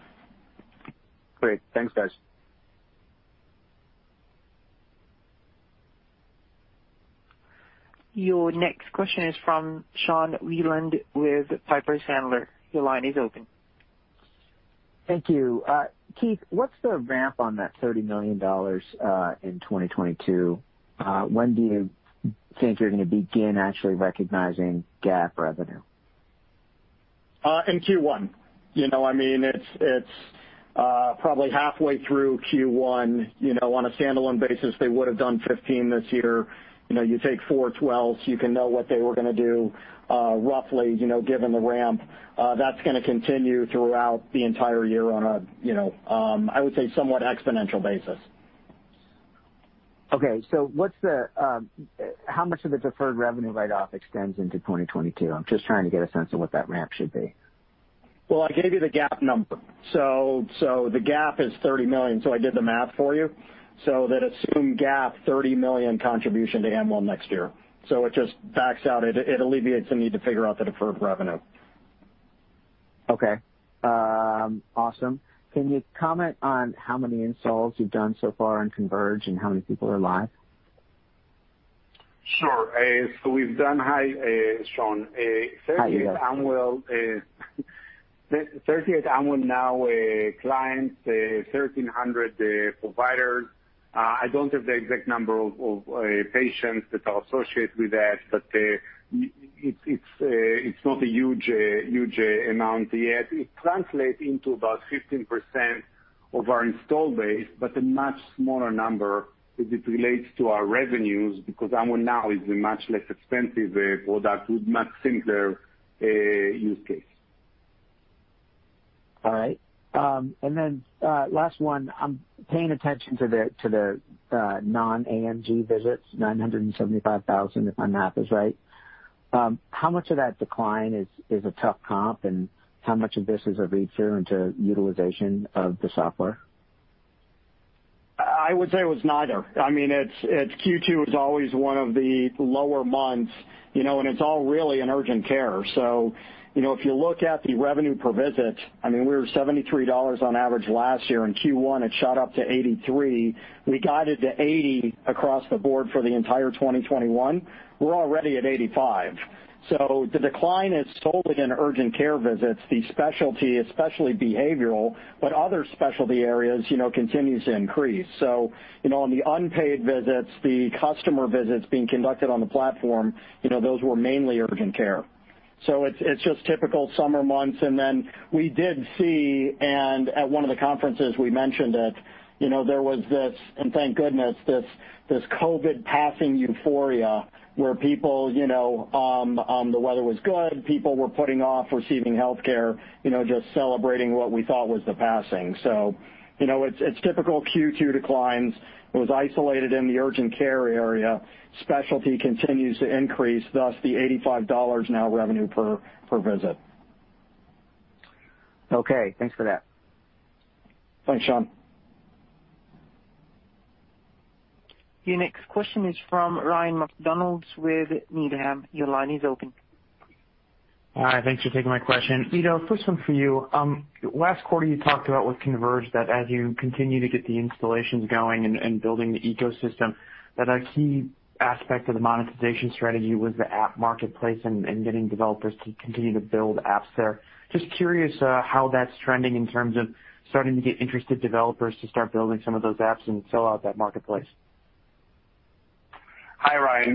Great. Thanks, guys. Your next question is from Sean Wieland with Piper Sandler. Your line is open. Thank you. Keith, what's the ramp on that $30 million in 2022? When do you think you're going to begin actually recognizing GAAP revenue? In Q1. It's probably halfway through Q1. On a standalone basis, they would've done $15 this year. You take 4 12s, you can know what they were going to do roughly, given the ramp. That's going to continue throughout the entire year on a, I would say somewhat exponential basis. Okay. How much of the deferred revenue write-off extends into 2022? I'm just trying to get a sense of what that ramp should be. I gave you the GAAP number. The GAAP is $30 million. I did the math for you. That assumed GAAP $30 million contribution to Amwell next year. It just backs out. It alleviates the need to figure out the deferred revenue. Okay. Awesome. Can you comment on how many installs you've done so far in Converge and how many people are live? Sure. Hi, Sean. Hi, Ido. 30 at Amwell. Now clients, 1,300 providers. I don't have the exact number of patients that are associated with that, but it's not a huge amount yet. It translates into about 15% of our install base, but a much smaller number as it relates to our revenues, because Amwell Now is a much less expensive product with much simpler use case. All right. Last one. I'm paying attention to the non-AMG visits, 975,000, if my math is right. How much of that decline is a tough comp, and how much of this is a read-through into utilization of the software? I would say it was neither. Q2 is always one of the lower months, and it's all really in urgent care. If you look at the revenue per visit, we were $73 on average last year. In Q1, it shot up to $83. We guided to $80 across the board for the entire 2021. We're already at $85. The decline is solely in urgent care visits, the specialty, especially behavioral, but other specialty areas continue to increase. On the unpaid visits, the customer visits being conducted on the platform, those were mainly urgent care. It's just typical summer months, we did see, and at one of the conferences we mentioned it, there was this, and thank goodness, this COVID passing euphoria where the weather was good, people were putting off receiving healthcare, just celebrating what we thought was the passing. It's typical Q2 declines. It was isolated in the urgent care area. Specialty continues to increase, thus the $85 now revenue per visit. Okay. Thanks for that. Thanks, Sean. Your next question is from Ryan MacDonald with Needham. Your line is open. Hi, thanks for taking my question. Ido, first one for you. Last quarter you talked about with Converge that as you continue to get the installations going and building the ecosystem, that a key aspect of the monetization strategy was the app marketplace and getting developers to continue to build apps there. Just curious how that's trending in terms of starting to get interested developers to start building some of those apps and fill out that marketplace. Hi, Ryan.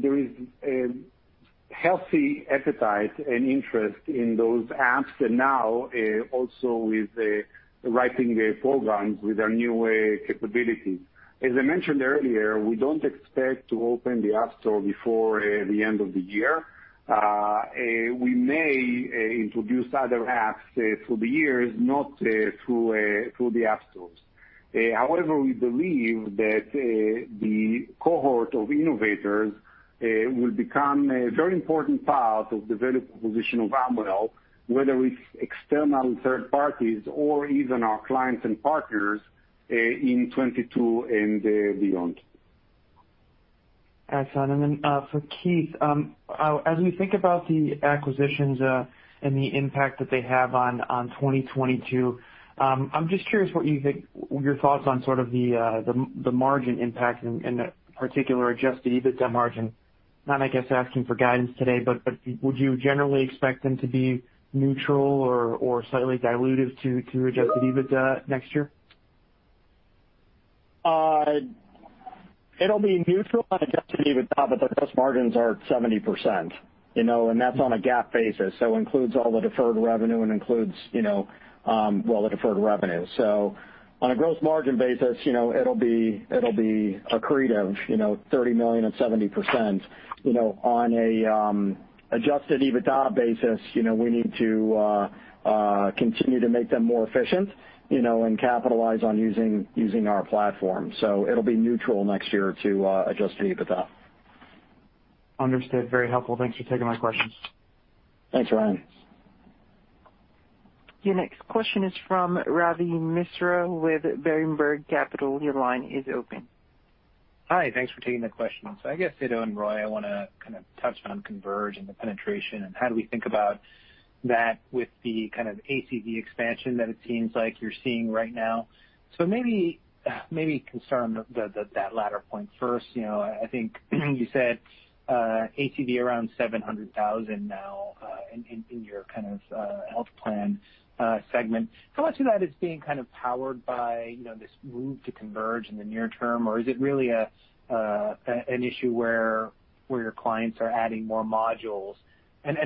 There is a healthy appetite and interest in those apps, and now also with writing programs with our new capability. As I mentioned earlier, we don't expect to open the app store before the end of the year. We may introduce other apps through the years, not through the app stores. However, we believe that the cohort of innovators will become a very important part of the value proposition of Amwell, whether it's external third parties or even our clients and partners, in 2022 and beyond. Thanks, Ido. For Keith, as we think about the acquisitions, and the impact that they have on 2022, I'm just curious what you think your thoughts on sort of the margin impact and in particular, adjusted EBITDA margin. Not, I guess, asking for guidance today, but would you generally expect them to be neutral or slightly dilutive to adjusted EBITDA next year? It'll be neutral on adjusted EBITDA, but the gross margins are at 70%, and that's on a GAAP basis, so includes all the deferred revenue and includes, well, the deferred revenue. On a gross margin basis, it'll be accretive, $30 million at 70%. On an adjusted EBITDA basis, we need to continue to make them more efficient, and capitalize on using our platform. It'll be neutral next year to adjusted EBITDA. Understood. Very helpful. Thanks for taking my questions. Thanks, Ryan. Your next question is from Ravi Misra with Berenberg Capital. Your line is open. Hi. Thanks for taking the question. I guess, Ido and Roy, I want to kind of touch on Converge and the penetration, and how do we think about that with the kind of ACV expansion that it seems like you're seeing right now. Maybe concern that latter point first. I think you said, ACV around $700,000 now, in your kind of health plan segment. How much of that is being kind of powered by this move to Converge in the near term?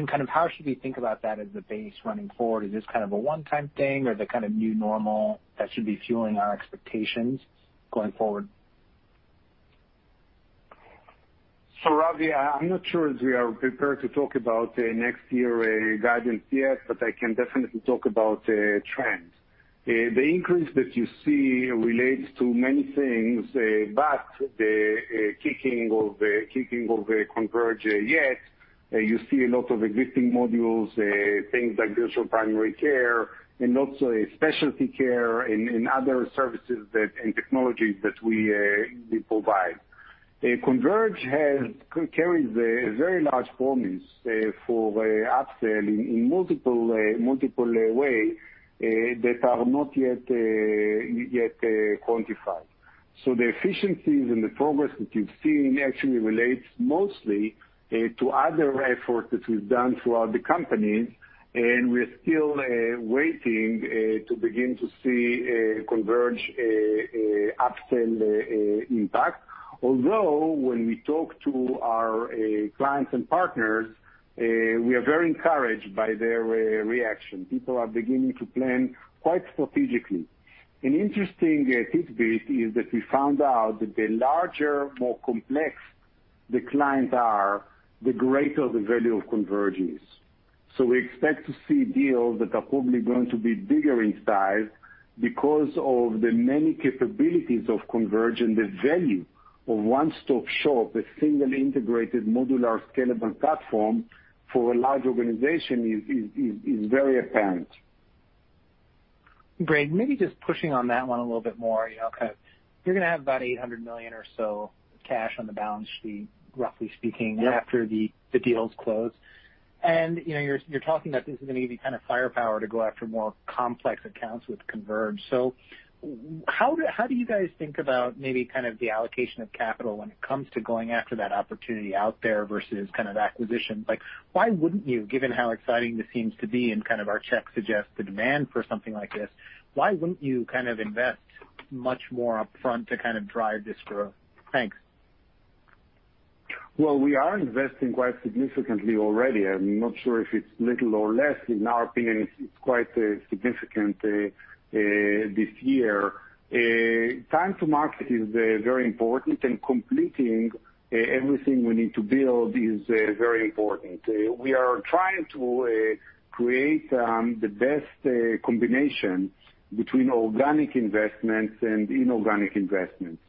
Kind of how should we think about that as a base running forward? Is this kind of a one-time thing or the kind of new normal that should be fueling our expectations going forward? Ravi, I'm not sure if we are prepared to talk about next year guidance yet, but I can definitely talk about trends. The increase that you see relates to many things, but the kicking off Converge yet, you see a lot of existing modules, things like virtual primary care and also specialty care and other services that, and technologies that we provide. Converge carries a very large promise for upsell in multiple ways that are not yet quantified. The efficiencies and the progress that you've seen actually relates mostly to other efforts that we've done throughout the company, and we're still waiting to begin to see Converge upsell impact. Although when we talk to our clients and partners, we are very encouraged by their reaction. People are beginning to plan quite strategically. An interesting tidbit is that we found out that the larger, more complex the clients are, the greater the value of Converge is. We expect to see deals that are probably going to be bigger in size because of the many capabilities of Converge and the value of one-stop shop, a single integrated, modular, scalable platform for a large organization is very apparent. Great. Maybe just pushing on that one a little bit more. You're going to have about $800 million or so cash on the balance sheet, roughly speaking. Yeah. After the deals close. You're talking that this is going to give you kind of firepower to go after more complex accounts with Converge. How do you guys think about maybe kind of the allocation of capital when it comes to going after that opportunity out there versus kind of acquisition? Why wouldn't you, given how exciting this seems to be and kind of our check suggests the demand for something like this, why wouldn't you kind of invest much more upfront to kind of drive this growth? Thanks. Well, we are investing quite significantly already. I'm not sure if it's little or less. In our opinion, it's quite significant this year. Time to market is very important, and completing everything we need to build is very important. We are trying to create the best combination between organic investments and inorganic investments.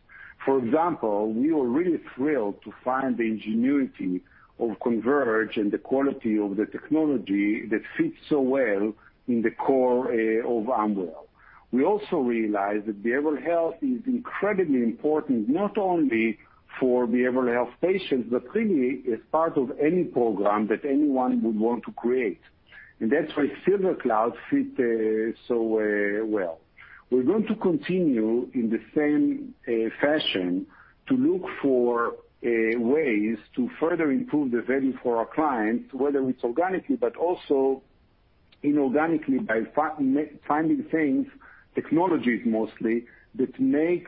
For example, we were really thrilled to find the ingenuity of Converge and the quality of the technology that fits so well in the core of Amwell. We also realize that behavioral health is incredibly important, not only for behavioral health patients, but really as part of any program that anyone would want to create. That's why SilverCloud fits so well. We're going to continue in the same fashion to look for ways to further improve the value for our clients, whether it's organically, but also inorganically by finding things, technologies mostly, that make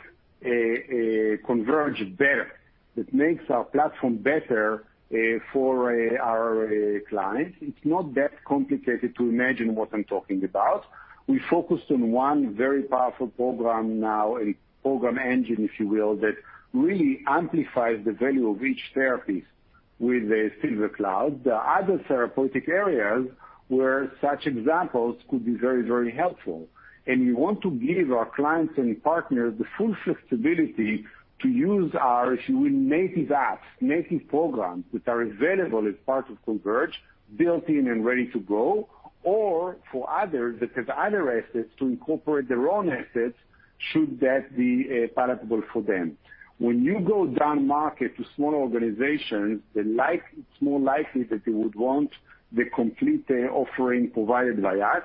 Converge better, that makes our platform better for our clients. It's not that complicated to imagine what I'm talking about. We focused on one very powerful program now, a program engine, if you will, that really amplifies the value of each therapies with SilverCloud. There are other therapeutic areas where such examples could be very helpful. We want to give our clients and partners the full flexibility to use our, if you will, native apps, native programs, which are available as part of Converge, built-in and ready to go. For others that have other assets to incorporate their own assets, should that be palatable for them. When you go down market to small organizations, it's more likely that they would want the complete offering provided by us.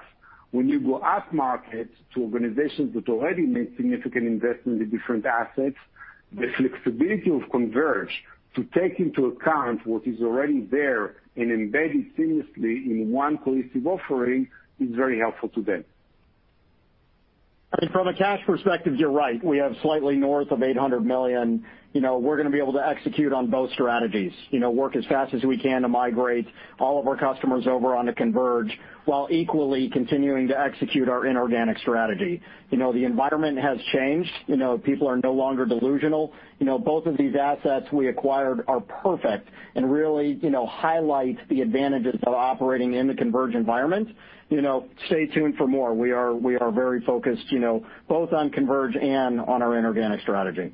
When you go up market to organizations that already made significant investment in different assets, the flexibility of Converge to take into account what is already there and embedded seamlessly in one cohesive offering is very helpful to them. From a cash perspective, you're right. We have slightly north of $800 million. We're going to be able to execute on both strategies. Work as fast as we can to migrate all of our customers over onto Converge, while equally continuing to execute our inorganic strategy. The environment has changed. People are no longer delusional. Both of these assets we acquired are perfect and really highlight the advantages of operating in the Converge environment. Stay tuned for more. We are very focused both on Converge and on our inorganic strategy.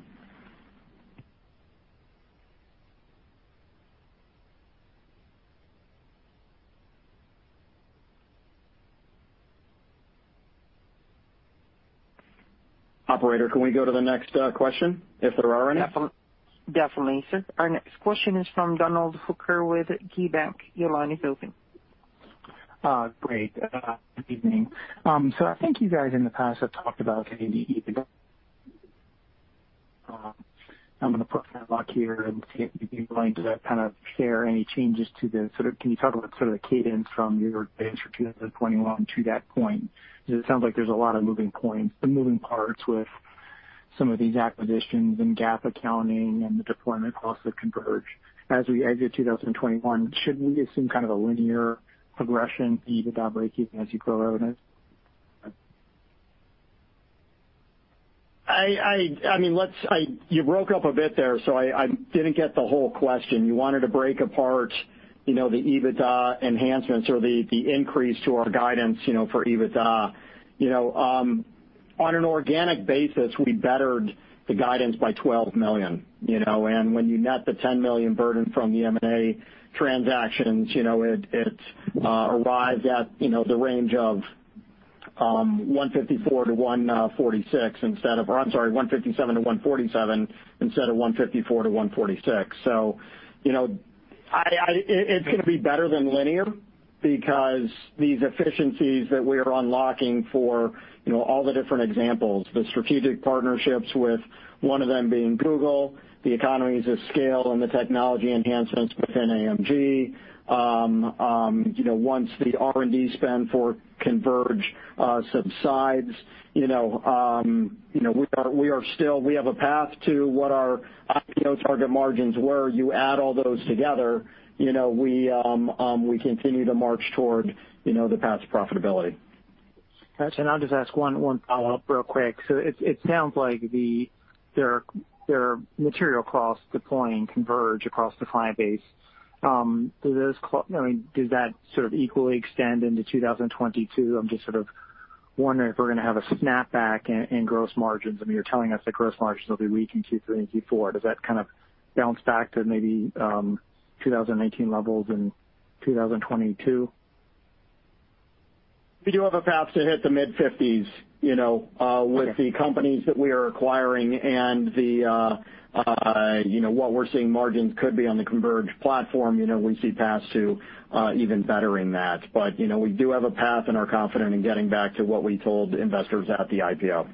Operator, can we go to the next question, if there are any? Definitely, sir. Our next question is from Donald Hooker with KeyBanc. Your line is open. Great. Good evening. I think you guys in the past have talked about. I'm going to push my luck here and see if you'd be willing to share any changes. Can you talk about the cadence from your guidance for 2021 to that point? It sounds like there's a lot of moving points and moving parts with some of these acquisitions and GAAP accounting and the deployment costs of Converge. As we exit 2021, should we assume kind of a linear progression in EBITDA breakeven as you grow it? You broke up a bit there, so I didn't get the whole question. You wanted to break apart the EBITDA enhancements or the increase to our guidance for EBITDA. On an organic basis, we bettered the guidance by $12 million. When you net the $10 million burden from the M&A transactions, it arrives at the range of $154-$146 instead of-- or I'm sorry, $157-$147 instead of $154-$146. It's going to be better than linear because these efficiencies that we're unlocking for all the different examples, the strategic partnerships with one of them being Google, the economies of scale and the technology enhancements within AMG. Once the R&D spend for Converge subsides, we have a path to what our IPO target margins were. You add all those together, we continue to march toward the path to profitability. Got you. I'll just ask one follow-up real quick. It sounds like there are material costs deploying Converge across the client base. Does that sort of equally extend into 2022? I'm just sort of wondering if we're going to have a snapback in gross margins. I mean, you're telling us that gross margins will be weak in 2023, 2024. Does that kind of bounce back to maybe 2019 levels in 2022? We do have a path to hit the mid-50s. Okay. with the companies that we are acquiring and what we're seeing margins could be on the Converge platform. We see paths to even bettering that. We do have a path and are confident in getting back to what we told investors at the IPO.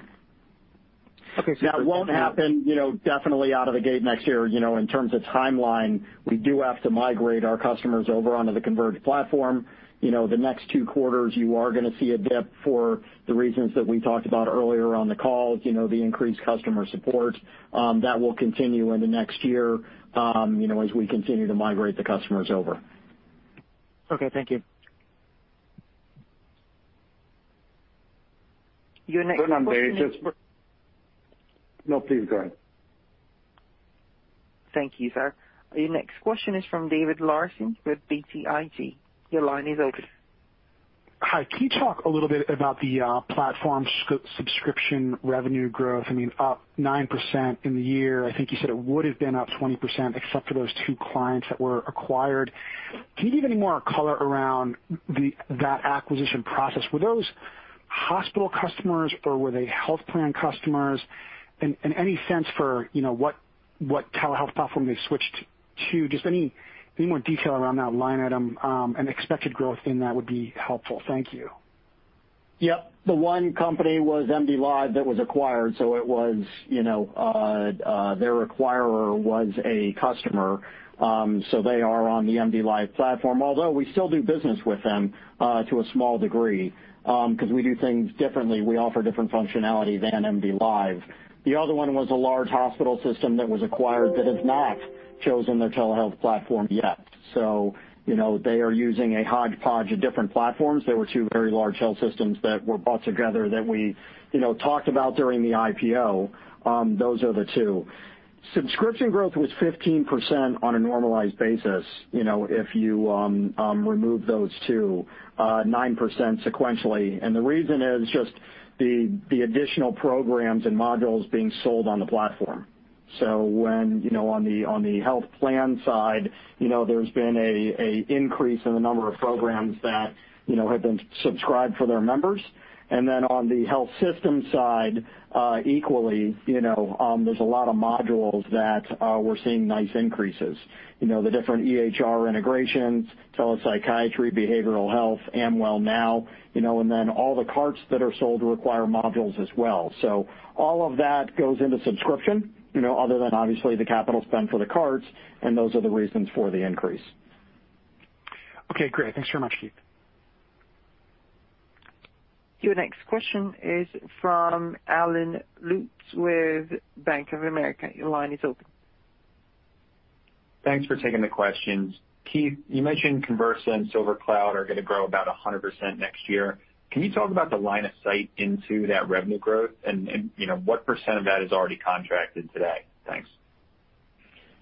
Okay. It won't happen definitely out of the gate next year. In terms of timeline, we do have to migrate our customers over onto the Converge platform. The next two quarters, you are going to see a dip for the reasons that we talked about earlier on the call. The increased customer support. That will continue into next year as we continue to migrate the customers over. Okay. Thank you. Your next question is- No, please go ahead. Thank you, sir. Your next question is from David Larsen with BTIG. Your line is open. Hi, can you talk a little bit about the platform subscription revenue growth? I mean, up 9% in the year. I think you said it would've been up 20% except for those two clients that were acquired. Can you give any more color around that acquisition process? Were those hospital customers or were they health plan customers? Any sense for what telehealth platform they've switched to? Just any more detail around that line item, and expected growth in that would be helpful. Thank you. Yep. The one company was MDLIVE that was acquired, so their acquirer was a customer. They are on the MDLIVE platform. Although we still do business with them to a small degree, because we do things differently. We offer different functionality than MDLIVE. The other one was a large hospital system that was acquired that has not chosen their telehealth platform yet, so they are using a hodgepodge of different platforms. They were two very large health systems that were bought together that we talked about during the IPO. Those are the two. Subscription growth was 15% on a normalized basis, if you remove those two, 9% sequentially. The reason is just the additional programs and modules being sold on the platform. On the health plan side, there's been an increase in the number of programs that have been subscribed for their members. On the health system side, equally, there's a lot of modules that we're seeing nice increases. The different EHR integrations, telepsychiatry, behavioral health, Amwell Now, and then all the carts that are sold require modules as well. All of that goes into subscription, other than obviously the capital spend for the carts, and those are the reasons for the increase. Okay, great. Thanks very much, Keith. Your next question is from Allen Lutz with Bank of America. Your line is open. Thanks for taking the questions. Keith, you mentioned Conversa and SilverCloud are going to grow about 100% next year. Can you talk about the line of sight into that revenue growth and what percentage of that is already contracted today? Thanks.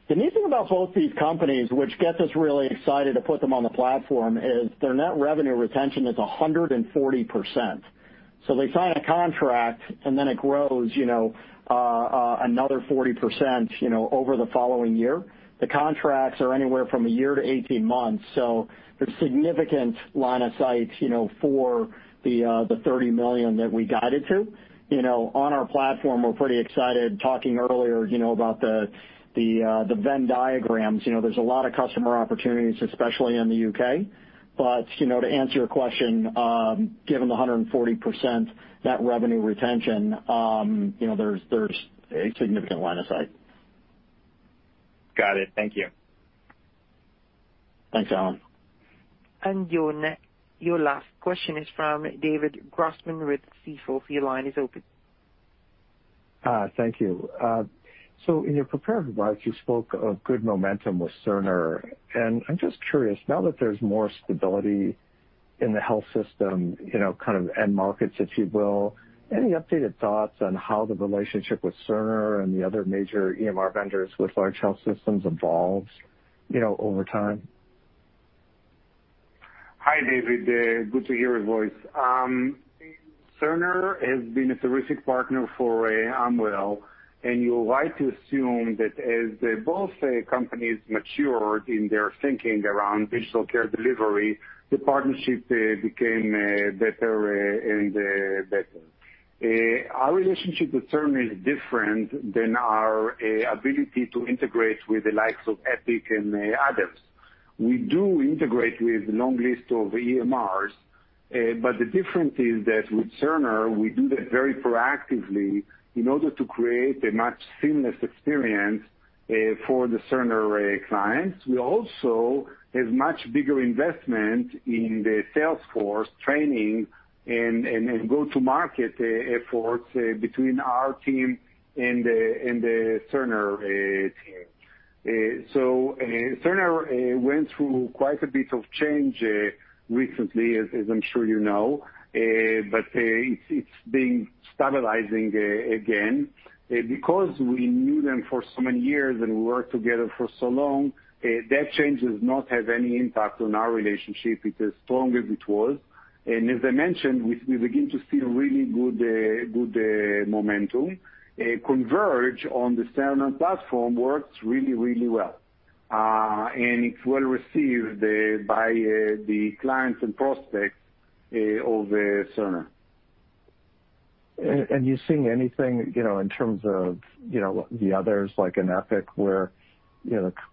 The neat thing about both these companies, which gets us really excited to put them on the platform, is their net revenue retention is 140%. They sign a contract and then it grows another 40% over the following year. The contracts are anywhere from a year to 18 months. There's significant line of sight for the $30 million that we guided to. On our platform, we're pretty excited, talking earlier about the Venn diagrams. There's a lot of customer opportunities, especially in the U.K. To answer your question, given the 140% net revenue retention, there's a significant line of sight. Got it. Thank you. Thanks, Allen. Your last question is from David Grossman with Stifel. Your line is open. Thank you. In your prepared remarks, you spoke of good momentum with Cerner. I'm just curious, now that there's more stability in the health system, kind of end markets, if you will, any updated thoughts on how the relationship with Cerner and the other major EMR vendors with large health systems evolves over time? Hi, David. Good to hear your voice. Cerner has been a terrific partner for Amwell, and you're right to assume that as both companies matured in their thinking around digital care delivery, the partnership became better and better. Our relationship with Cerner is different than our ability to integrate with the likes of Epic and others. We do integrate with a long list of EMRs, but the difference is that with Cerner, we do that very proactively in order to create a much seamless experience for the Cerner clients. We also have much bigger investment in the sales force training and go-to-market efforts between our team and the Cerner team. Cerner went through quite a bit of change recently, as I'm sure you know. It's been stabilizing again. Because we knew them for so many years and worked together for so long, that change does not have any impact on our relationship. It's as strong as it was. As I mentioned, we begin to see really good momentum. Converge on the Cerner platform works really well, and it's well received by the clients and prospects of Cerner. You seeing anything in terms of the others, like in Epic, where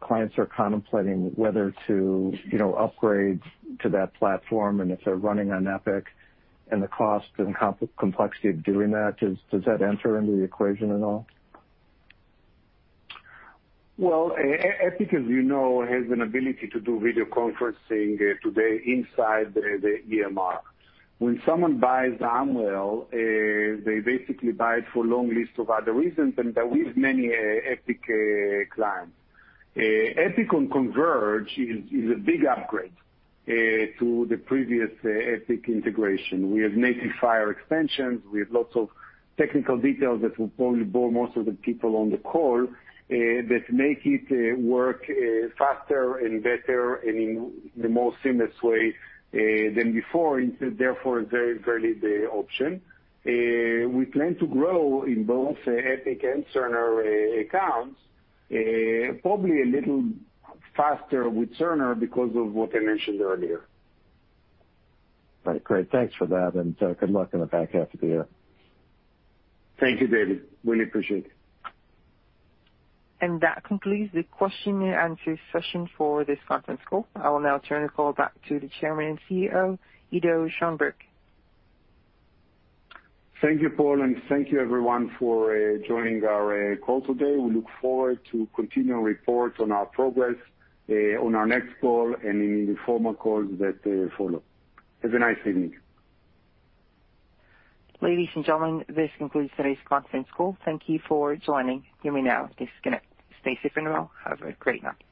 clients are contemplating whether to upgrade to that platform and if they're running on Epic and the cost and complexity of doing that? Does that enter into the equation at all? Well, Epic, as you know, has an ability to do video conferencing today inside the EMR. When someone buys Amwell, they basically buy it for a long list of other reasons than that. We have many Epic clients. Epic on Converge is a big upgrade to the previous Epic integration. We have native FHIR extensions. We have lots of technical details that will probably bore most of the people on the call that make it work faster and better and in the most seamless way than before, and therefore it's a very valid option. We plan to grow in both Epic and Cerner accounts, probably a little faster with Cerner because of what I mentioned earlier. Right. Great. Thanks for that, and good luck in the back half of the year. Thank you, David. Really appreciate it. That concludes the question and answer session for this conference call. I will now turn the call back to the Chairman and CEO, Ido Schoenberg. Thank you, Paul, and thank you everyone for joining our call today. We look forward to continuing reports on our progress on our next call and in the formal calls that follow. Have a nice evening. Ladies and gentlemen, this concludes today's conference call. Thank you for joining. You may now disconnect. Stay safe and well. Have a great night.